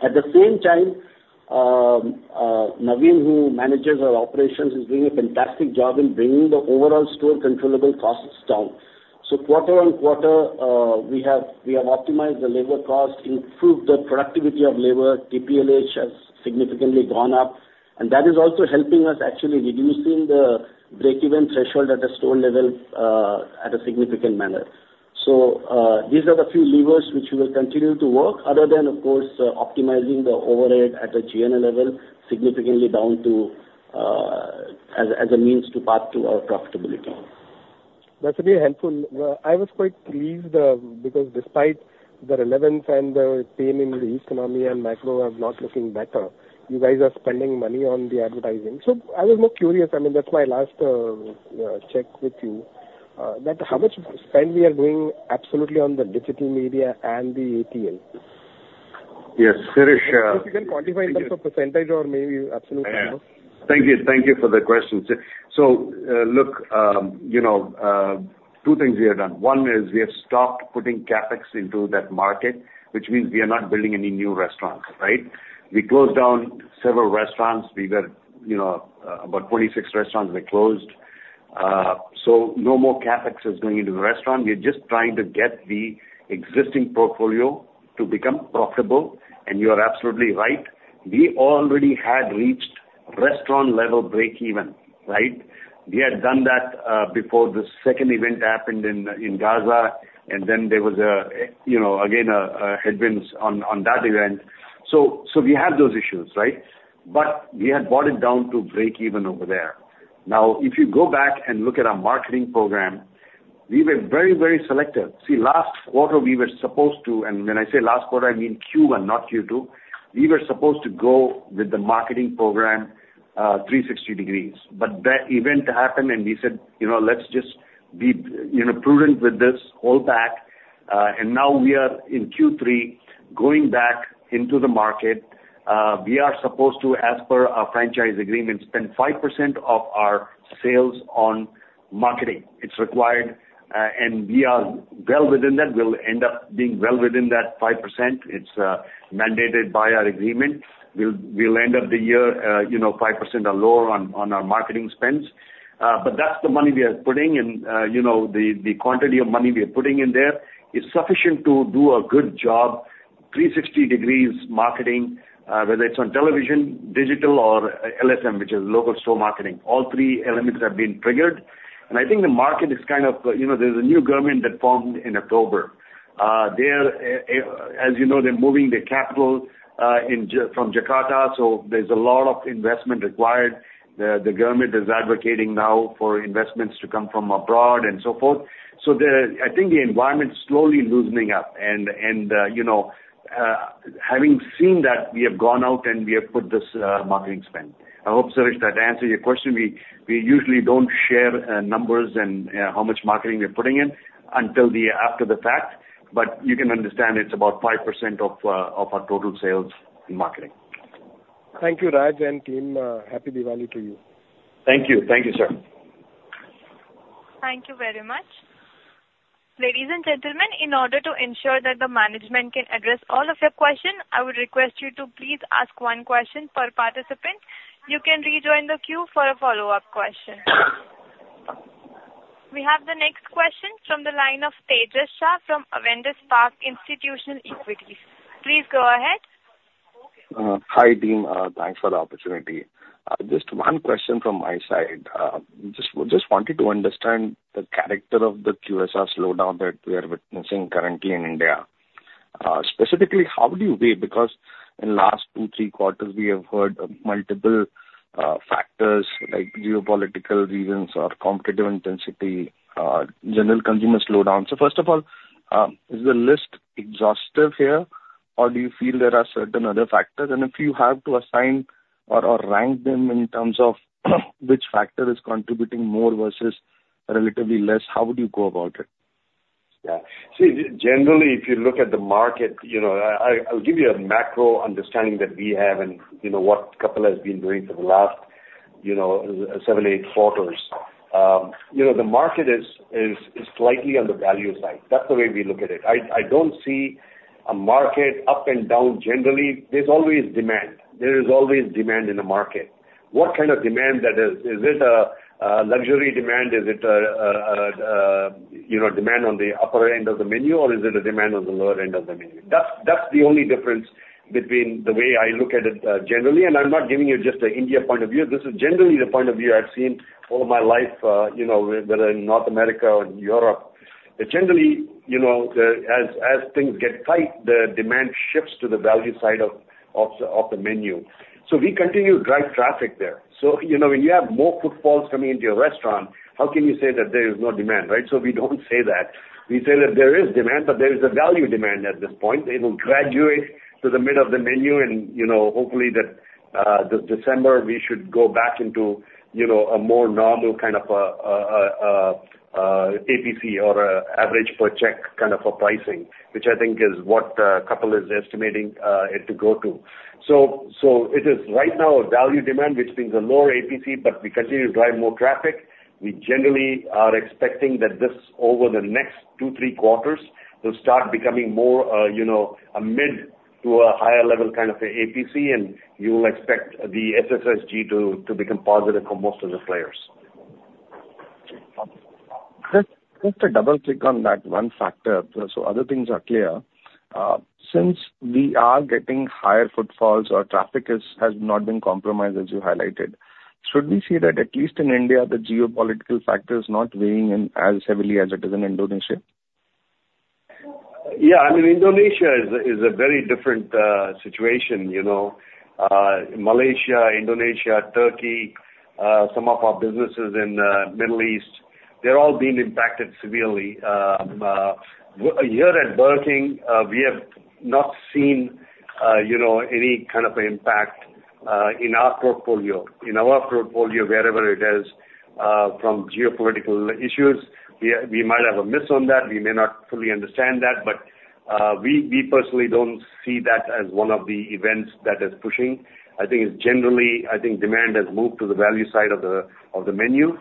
Speaker 3: At the same time, Naveen, who manages our operations, is doing a fantastic job in bringing the overall store controllable costs down. So quarter-on-quarter, we have optimized the labor cost, improved the productivity of labor. TPLH has significantly gone up, and that is also helping us actually reducing the break-even threshold at a store level, at a significant manner. So, these are the few levers which we will continue to work, other than, of course, optimizing the overhead at a G&A level, significantly down to, as a means to path to our profitability.
Speaker 10: That's very helpful. I was quite pleased, because despite the relevance and the pain in the economy and macro are not looking better, you guys are spending money on the advertising. So I was more curious, I mean, that's my last check with you, that how much spend we are doing absolutely on the digital media and the ATL?
Speaker 7: Yes, Shirish.
Speaker 10: If you can quantify in terms of percentage or maybe absolute number.
Speaker 7: Thank you. Thank you for the question. So, look, you know, two things we have done. One is we have stopped putting CapEx into that market, which means we are not building any new restaurants, right? We closed down several restaurants. We were, you know, about 26 restaurants were closed. So no more CapEx is going into the restaurant. We are just trying to get the existing portfolio to become profitable. And you are absolutely right, we already had reached restaurant level breakeven, right? We had done that, before the second event happened in Gaza, and then there was headwinds on that event. So we had those issues, right? But we had brought it down to breakeven over there. Now, if you go back and look at our marketing program, we were very, very selective. See, last quarter we were supposed to, and when I say last quarter, I mean Q1, not Q2. We were supposed to go with the marketing program, 360 degrees. But that event happened and we said, "You know, let's just be prudent with this, hold back, and now we are in Q3, going back into the market." We are supposed to, as per our franchise agreement, spend 5% of our sales on marketing. It's required, and we are well within that. We'll end up being well within that 5%. It's mandated by our agreement. We'll end up the year, you know, 5% or lower on our marketing spends. But that's the money we are putting in. You know, the quantity of money we are putting in there is sufficient to do a good job, 360 degrees marketing, whether it's on television, digital or LSM, which is local store marketing. All three elements have been triggered. I think the market is kind of, there's a new government that formed in October. They are, as you know, they're moving their capital from Jakarta, so there's a lot of investment required. The government is advocating now for investments to come from abroad and so forth. So, I think the environment's slowly loosening up and having seen that, we have gone out and we have put this marketing spend. I hope, Shirish, that answers your question. We usually don't share numbers and how much marketing we're putting in until after the fact, but you can understand it's about 5% of our total sales in marketing.
Speaker 10: Thank you, Raj and team. Happy Diwali to you.
Speaker 7: Thank you. Thank you, sir.
Speaker 1: Thank you very much. Ladies and gentlemen, in order to ensure that the management can address all of your questions, I would request you to please ask one question per participant. You can rejoin the queue for a follow-up question. We have the next question from the line of Tejas Shah from Avendus Spark Institutional Equity. Please go ahead.
Speaker 11: Hi, team. Thanks for the opportunity. Just one question from my side. Just wanted to understand the character of the QSR slowdown that we are witnessing currently in India. Specifically, how do you weigh? Because in last two, three quarters, we have heard multiple factors like geopolitical reasons or competitive intensity, general consumer slowdown. So first of all, is the list exhaustive here, or do you feel there are certain other factors? And if you have to assign or rank them in terms of which factor is contributing more versus relatively less, how would you go about it?
Speaker 7: Yeah. See, generally, if you look at the market, I'll give you a macro understanding that we have and you know, what Kapil has been doing for the last, you know, seven, eight quarters. You know, the market is slightly on the value side. That's the way we look at it. I don't see a market up and down. Generally, there's always demand. There is always demand in the market. What kind of demand that is? Is it a luxury demand? Is it a demand on the upper end of the menu, or is it a demand on the lower end of the menu? That's the only difference between the way I look at it, generally, and I'm not giving you just an India point of view. This is generally the point of view I've seen all of my life, whether in North America or Europe, that generally, as things get tight, the demand shifts to the value side of the menu. So we continue to drive traffic there. So, when you have more footfalls coming into your restaurant, how can you say that there is no demand, right? So we don't say that. We say that there is demand, but there is a value demand at this point. It will graduate to the mid of the menu and, you know, hopefully that, this December, we should go back into, you know, a more normal kind of, APC or, average per check kind of a pricing, which I think is what, Kapil is estimating, it to go to. So it is right now a value demand, which means a lower APC, but we continue to drive more traffic. We generally are expecting that this, over the next two, three quarters, will start becoming more, you know, a mid to a higher level kind of APC, and you will expect the SSSG to become positive for most of the players.
Speaker 11: Just, just to double-click on that one factor so other things are clear. Since we are getting higher footfalls or traffic has not been compromised, as you highlighted, should we say that at least in India, the geopolitical factor is not weighing in as heavily as it is in Indonesia?
Speaker 7: Yeah, I mean, Indonesia is a very different situation. Malaysia, Indonesia, Turkey, some of our businesses in Middle East, they're all being impacted severely. Here at Burger King, we have not seen, any kind of impact in our portfolio, in our portfolio, wherever it is, from geopolitical issues. We might have a miss on that, we may not fully understand that, but we personally don't see that as one of the events that is pushing. I think it's generally, I think demand has moved to the value side of the menu. And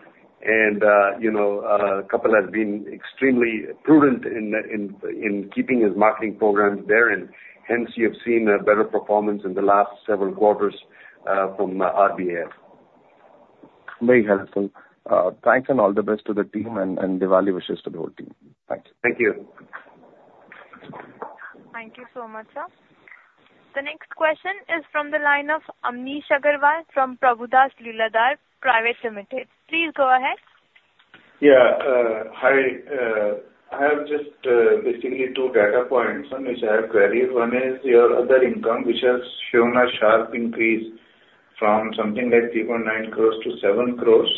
Speaker 7: you know, Kapil has been extremely prudent in keeping his marketing programs there, and hence you have seen a better performance in the last several quarters from RBA.
Speaker 11: Very helpful. Thanks and all the best to the team, and Diwali wishes to the whole team. Thanks.
Speaker 7: Thank you.
Speaker 1: Thank you so much, sir. The next question is from the line of Amnish Aggarwal from Prabhudas Lilladher Private Limited. Please go ahead.
Speaker 12: Yeah, hi. I have just basically two data points on which I have queried. One is your other income, which has shown a sharp increase from something like 3.9 crores to 7 crores.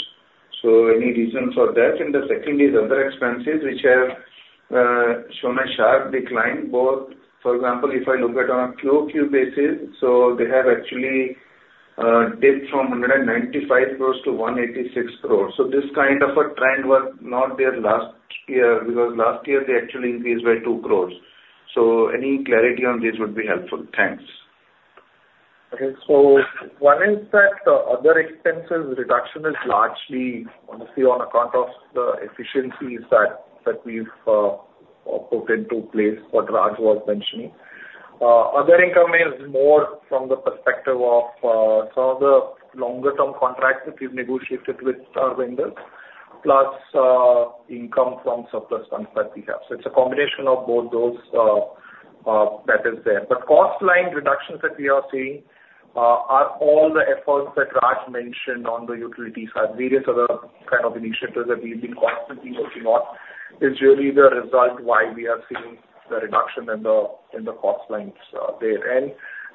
Speaker 12: So any reason for that? And the second is other expenses, which have shown a sharp decline, both. For example, if I look at on a QOQ basis, so they have actually dipped from 195 crores-186 crores. So this kind of a trend was not there last year, because last year they actually increased by 2 crores. So any clarity on this would be helpful. Thanks.
Speaker 4: Okay. So one is that the other expenses reduction is largely honestly on account of the efficiencies that, that we've put into place, what Raj was mentioning. Other income is more from the perspective of some of the longer term contracts that we've negotiated with our vendors, plus income from surplus funds that we have. So it's a combination of both those that is there. The cost line reductions that we are seeing are all the efforts that Raj mentioned on the utilities and various other kind of initiatives that we've been constantly working on, is really the result why we are seeing the reduction in the cost lines there.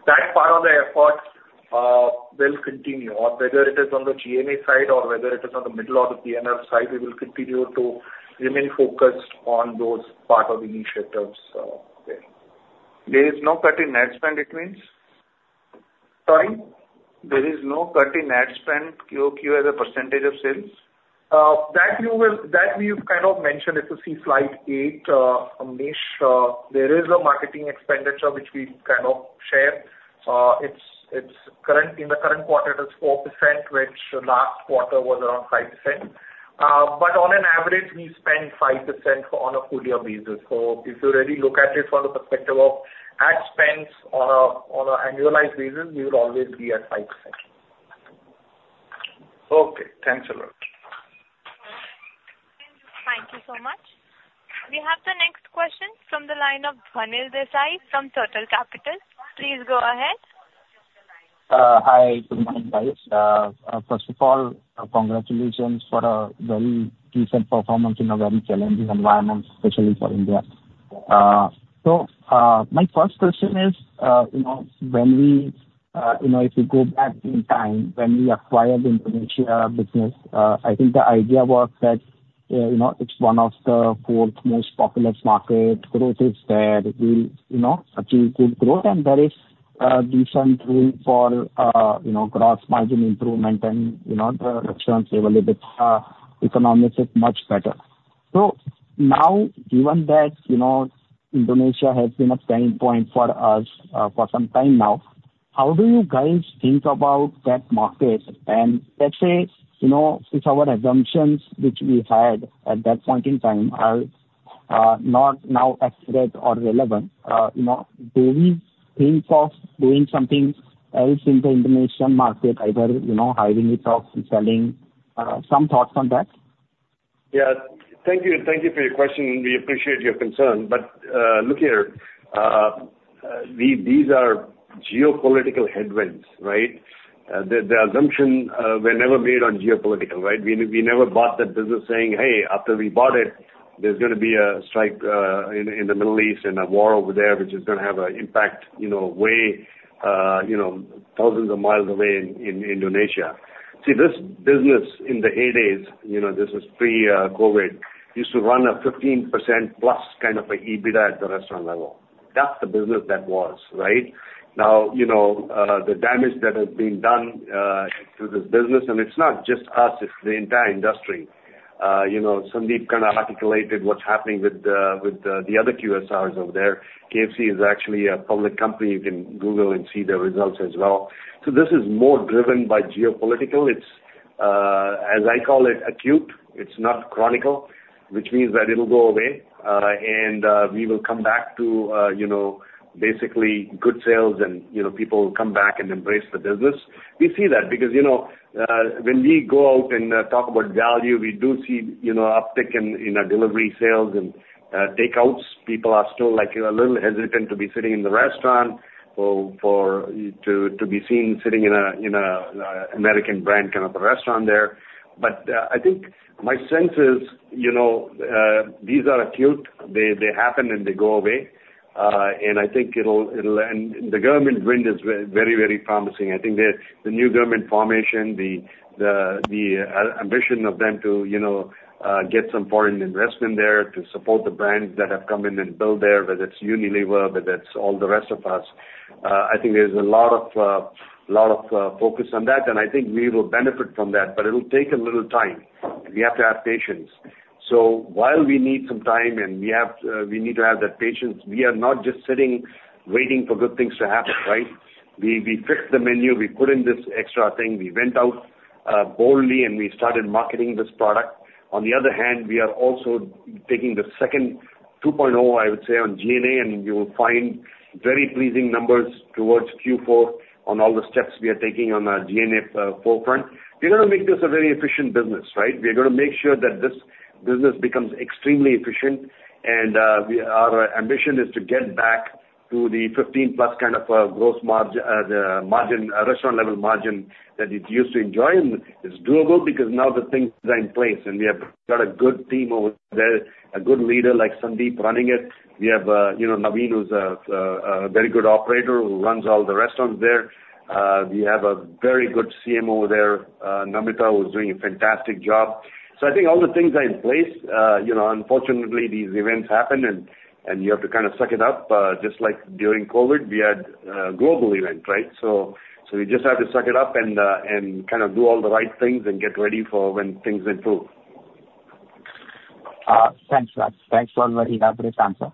Speaker 4: That part of the effort will continue, on whether it is on the G&A side or whether it is on the middle or the P&F side. We will continue to remain focused on those part of initiatives there.
Speaker 12: There is no cut in ad spend, it means?
Speaker 4: Sorry.
Speaker 12: There is no cut in ad spend QOQ as a percentage of sales?
Speaker 4: That you will, that we've kind of mentioned, if you see slide eight, Amnish, there is a marketing expenditure which we kind of share. It's current, in the current quarter, it is 4%, which last quarter was around 5%. But on an average, we spend 5% on a full year basis. So if you really look at it from the perspective of ad spends on a annualized basis, we would always be at 5%.
Speaker 12: Okay. Thanks a lot.
Speaker 1: Thank you so much. We have the next question from the line of Dhwanil Desai from Turtle Capital. Please go ahead.
Speaker 13: Hi, good morning, guys. First of all, congratulations for a very decent performance in a very challenging environment, especially for India, so my first question is, you know, when we, you know, if we go back in time, when we acquired the Indonesia business, I think the idea was that, you know, it's one of the fourth most populous market, growth is there, we'll, you know, achieve good growth, and there is, decent room for, you know, gross margin improvement and, you know, the restaurants available economics is much better, so now, given that, you know, Indonesia has been a pain point for us, for some time now, how do you guys think about that market? Let's say, you know, if our assumptions which we had at that point in time are not now accurate or relevant, you know, do we think of doing something else in the Indonesian market, either, hiving it off and selling? Some thoughts on that?
Speaker 7: Yeah. Thank you, thank you for your question. We appreciate your concern. But, look here, these are geopolitical headwinds, right? The assumption were never made on geopolitical, right? We never bought that business saying, "Hey, after we bought it, there's gonna be a strike in the Middle East and a war over there, which is gonna have an impact, way, you know, thousands of miles away in Indonesia." See, this business in the heyday, you know, this is pre-COVID, used to run a 15% plus kind of a EBITDA at the restaurant level. That's the business that was, right? Now, you know, the damage that has been done to this business, and it's not just us, it's the entire industry. You know, Sandeep kind of articulated what's happening with the other QSRs over there. KFC is actually a public company. You can Google and see their results as well. So this is more driven by geopolitical. It's as I call it, acute, it's not chronic, which means that it'll go away and we will come back to you know, basically good sales and you know, people will come back and embrace the business. We see that, because you know, when we go out and talk about value, we do see you know, uptick in our delivery sales and takeouts. People are still like a little hesitant to be sitting in the restaurant for to be seen sitting in a American brand kind of a restaurant there. But I think my sense is, these are acute. They happen, and they go away. And I think it'll, and the government tailwind is very, very promising. I think the new government formation, the ambition of them to, you know, get some foreign investment there to support the brands that have come in and built there, whether it's Unilever, whether it's all the rest of us. I think there's a lot of focus on that, and I think we will benefit from that, but it'll take a little time. We have to have patience. So while we need some time and we have to, we need to have that patience, we are not just sitting, waiting for good things to happen, right? We fixed the menu. We put in this extra thing. We went out boldly, and we started marketing this product. On the other hand, we are also taking the second 2.0, I would say, on G&A, and you will find very pleasing numbers towards Q4 on all the steps we are taking on our G&A forefront. We're gonna make this a very efficient business, right? We are going to make sure that this business becomes extremely efficient, and we- our ambition is to get back to the fifteen plus kind of gross margin, the margin, restaurant level margin that it used to enjoy. It's doable because now the things are in place, and we have got a good team over there, a good leader like Sandeep running it. We have, you know, Naveen, who's a very good operator who runs all the restaurants there. We have a very good CMO there, Namita, who is doing a fantastic job. So I think all the things are in place. You know, unfortunately, these events happen, and you have to kind of suck it up. Just like during COVID, we had global event, right? So we just have to suck it up and kind of do all the right things and get ready for when things improve.
Speaker 13: Thanks, Raj. Thanks for the elaborate answer.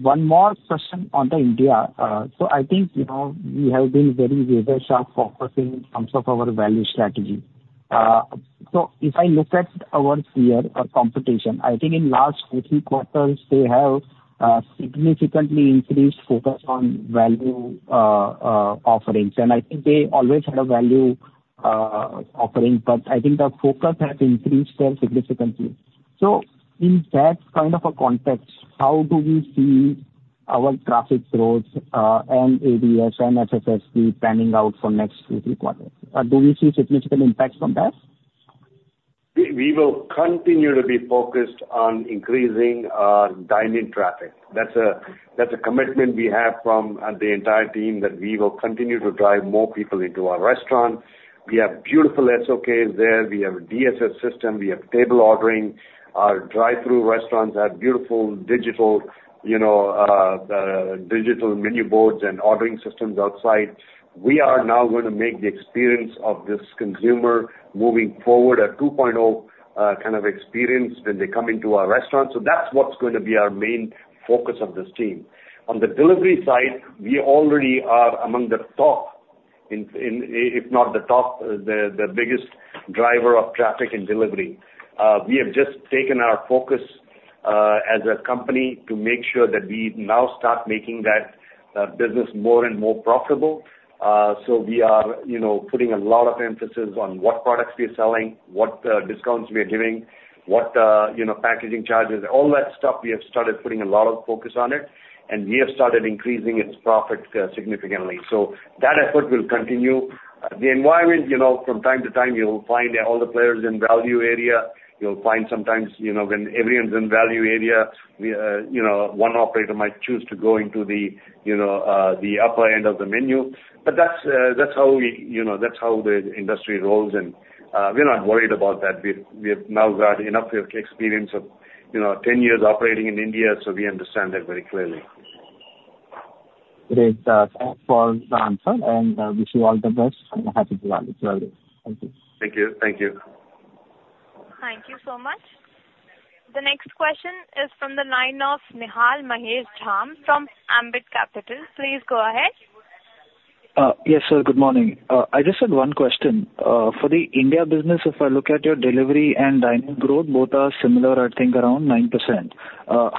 Speaker 13: One more question on India. So I think, you know, we have been very razor-sharp focusing in terms of our value strategy. So if I look at our peer or competition, I think in last three quarters, they have significantly increased focus on value offerings. And I think they always had a value offering, but I think the focus has increased there significantly. So in that kind of a context, how do we see our traffic growth and ADS and SSSG panning out for next three quarters? Do we see significant impact from that?
Speaker 7: We will continue to be focused on increasing our dine-in traffic. That's a commitment we have from the entire team, that we will continue to drive more people into our restaurant. We have beautiful SOKs there. We have a DSS system. We have table ordering. Our drive-through restaurants have beautiful digital, you know, digital menu boards and ordering systems outside. We are now going to make the experience of this consumer moving forward, a 2.0 kind of experience when they come into our restaurant, so that's what's going to be our main focus of this team. On the delivery side, we already are among the top in, if not the top, the biggest driver of traffic in delivery. We have just taken our focus, as a company to make sure that we now start making that, business more and more profitable. So we are putting a lot of emphasis on what products we are selling, what, discounts we are giving, what, you know, packaging charges, all that stuff, we have started putting a lot of focus on it, and we have started increasing its profit, significantly. So that effort will continue. The environment, from time to time, you'll find all the players in value area. You'll find sometimes, when everyone's in value area, we, you know, one operator might choose to go into the, you know, the upper end of the menu. But that's how we... You know, that's how the industry rolls, and, we're not worried about that. We've now got enough experience of 10 years operating in India, so we understand that very clearly.
Speaker 13: Great. Thanks for the answer, and wish you all the best, and Happy Diwali to all. Thank you.
Speaker 7: Thank you.
Speaker 1: Thank you so much. The next question is from the line of Nihal Mahesh Jham from Ambit Capital. Please go ahead.
Speaker 14: Yes, sir. Good morning. I just had one question. For the India business, if I look at your delivery and dine-in growth, both are similar, I think around 9%.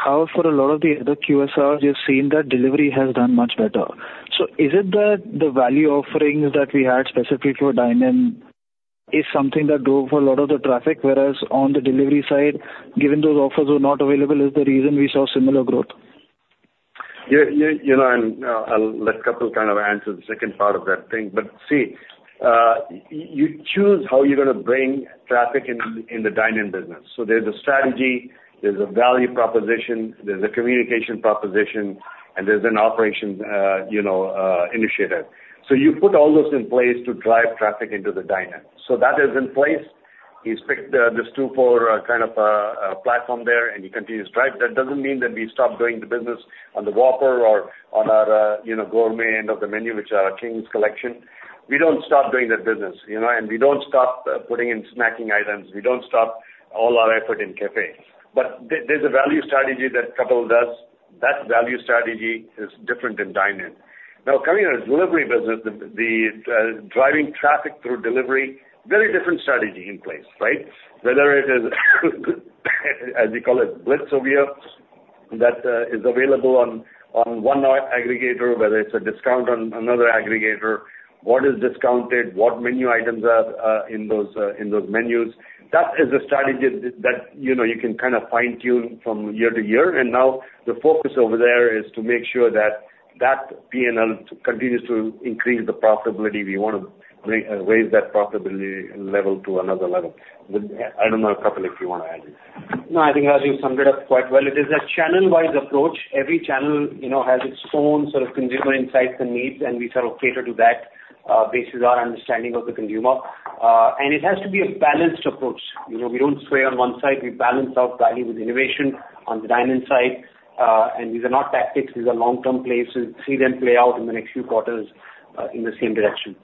Speaker 14: However, a lot of the other QSRs, we've seen that delivery has done much better. So is it that the value offerings that we had specifically for dine-in is something that drove a lot of the traffic, whereas on the delivery side, given those offers were not available, is the reason we saw similar growth?
Speaker 7: Yeah, you know, and, I'll let Kapil kind of answer the second part of that thing. But see, you choose how you're going to bring traffic in, in the dine-in business. So there's a strategy, there's a value proposition, there's a communication proposition, and there's an operations, you know, initiative. So you put all those in place to drive traffic into the dine-in. So that is in place. He's picked, this two-for, kind of, platform there, and he continues to drive. That doesn't mean that we stop doing the business on the Whopper or on our, you know, gourmet end of the menu, which are King's Collection. We don't stop doing that business, you know, and we don't stop, putting in snacking items. We don't stop all our effort in cafe. But there's a value strategy that Kapil does. That value strategy is different in dine-in. Now, coming on his delivery business, driving traffic through delivery, very different strategy in place, right? Whether it is, as you call it, Blitz over here, that is available on one aggregator, whether it's a discount on another aggregator, what is discounted, what menu items are in those menus, that is a strategy that, you can kind of fine-tune from year to year. And now the focus over there is to make sure that PNL continues to increase the profitability. We want to bring raise that profitability level to another level. With, I don't know, Kapil, if you wany to add it.
Speaker 5: No, I think, Rajeev, you summed it up quite well. It is a channel-wide approach. Every channel, you know, has its own sort of consumer insights and needs, and we sort of cater to that, based on our understanding of the consumer, and it has to be a balanced approach. You know, we don't sway on one side. We balance out value with innovation on the demand side, and these are not tactics, these are long-term plays, so we'll see them play out in the next few quarters, in the same direction.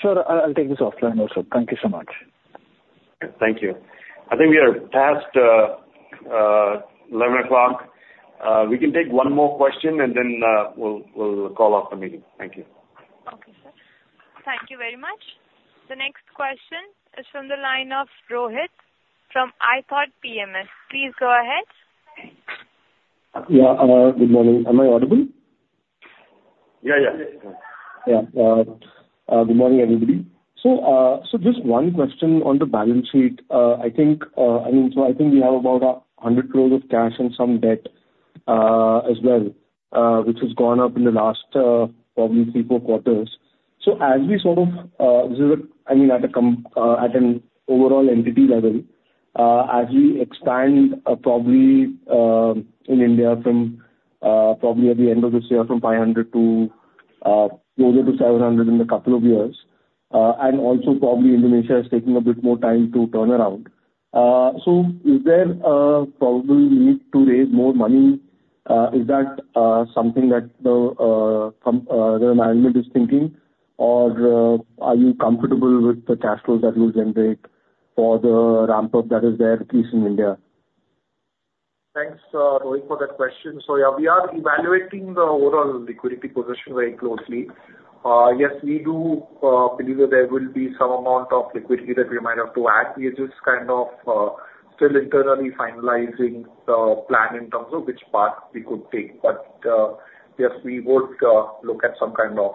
Speaker 14: Sure, I'll take this offline also. Thank you so much.
Speaker 8: Thank you. I think we are past eleven o'clock. We can take one more question, and then we'll call off the meeting. Thank you.
Speaker 1: Okay, sir. Thank you very much. The next question is from the line of Rohit from iThought PMS. Please go ahead.
Speaker 15: Yeah, good morning. Am I audible?
Speaker 7: Yeah.
Speaker 15: Yeah. Good morning, everybody. So just one question on the balance sheet. I think, I mean, so I think we have about 100 crores of cash and some debt as well, which has gone up in the last probably 3-4 quarters. So as we sort of, this is a - I mean, at a com - at an overall entity level, as we expand probably in India from probably at the end of this year, from 500 to closer to 700 in a couple of years, and also probably Indonesia is taking a bit more time to turn around. So is there probably need to raise more money? Is that something that the com - the management is thinking? Or, are you comfortable with the cash flows that you'll generate for the ramp-up that is there, at least in India?
Speaker 4: Thanks, Rohit, for that question. So yeah, we are evaluating the overall liquidity position very closely. Yes, we do believe that there will be some amount of liquidity that we might have to add. We are just kind of still internally finalizing the plan in terms of which path we could take. But yes, we would look at some kind of...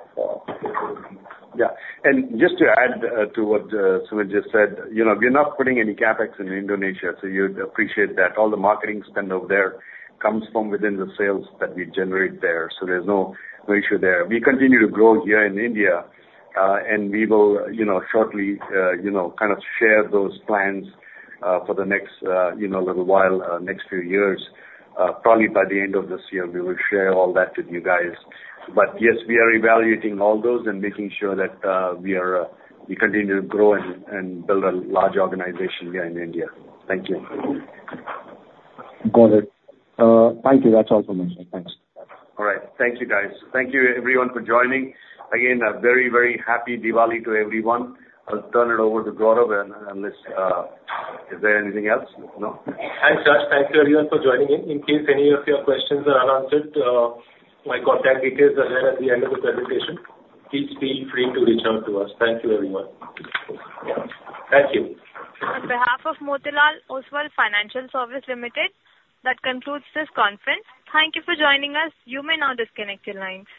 Speaker 7: Yeah. And just to add to what Sumit just said, you know, we're not putting any CapEx in Indonesia, so you'd appreciate that. All the marketing spend over there comes from within the sales that we generate there, so there's no ratio there. We continue to grow here in India, and we will, you know, shortly, kind of share those plans for the next, you know, little while, next few years. Probably by the end of this year, we will share all that with you guys. But yes, we are evaluating all those and making sure that we are, we continue to grow and build a large organization here in India. Thank you.
Speaker 15: Got it. Thank you. That's all from me, sir. Thanks.
Speaker 7: All right. Thank you, guys. Thank you everyone for joining. Again, a very, very happy Diwali to everyone. I'll turn it over to Gaurav, and, unless, is there anything else? No.
Speaker 8: Thanks, Raj. Thank you everyone for joining in. In case any of your questions are unanswered, my contact details are there at the end of the presentation. Please feel free to reach out to us. Thank you, everyone.
Speaker 7: Thank you.
Speaker 1: On behalf of Motilal Oswal Financial Services Limited, that concludes this conference. Thank you for joining us. You may now disconnect your lines.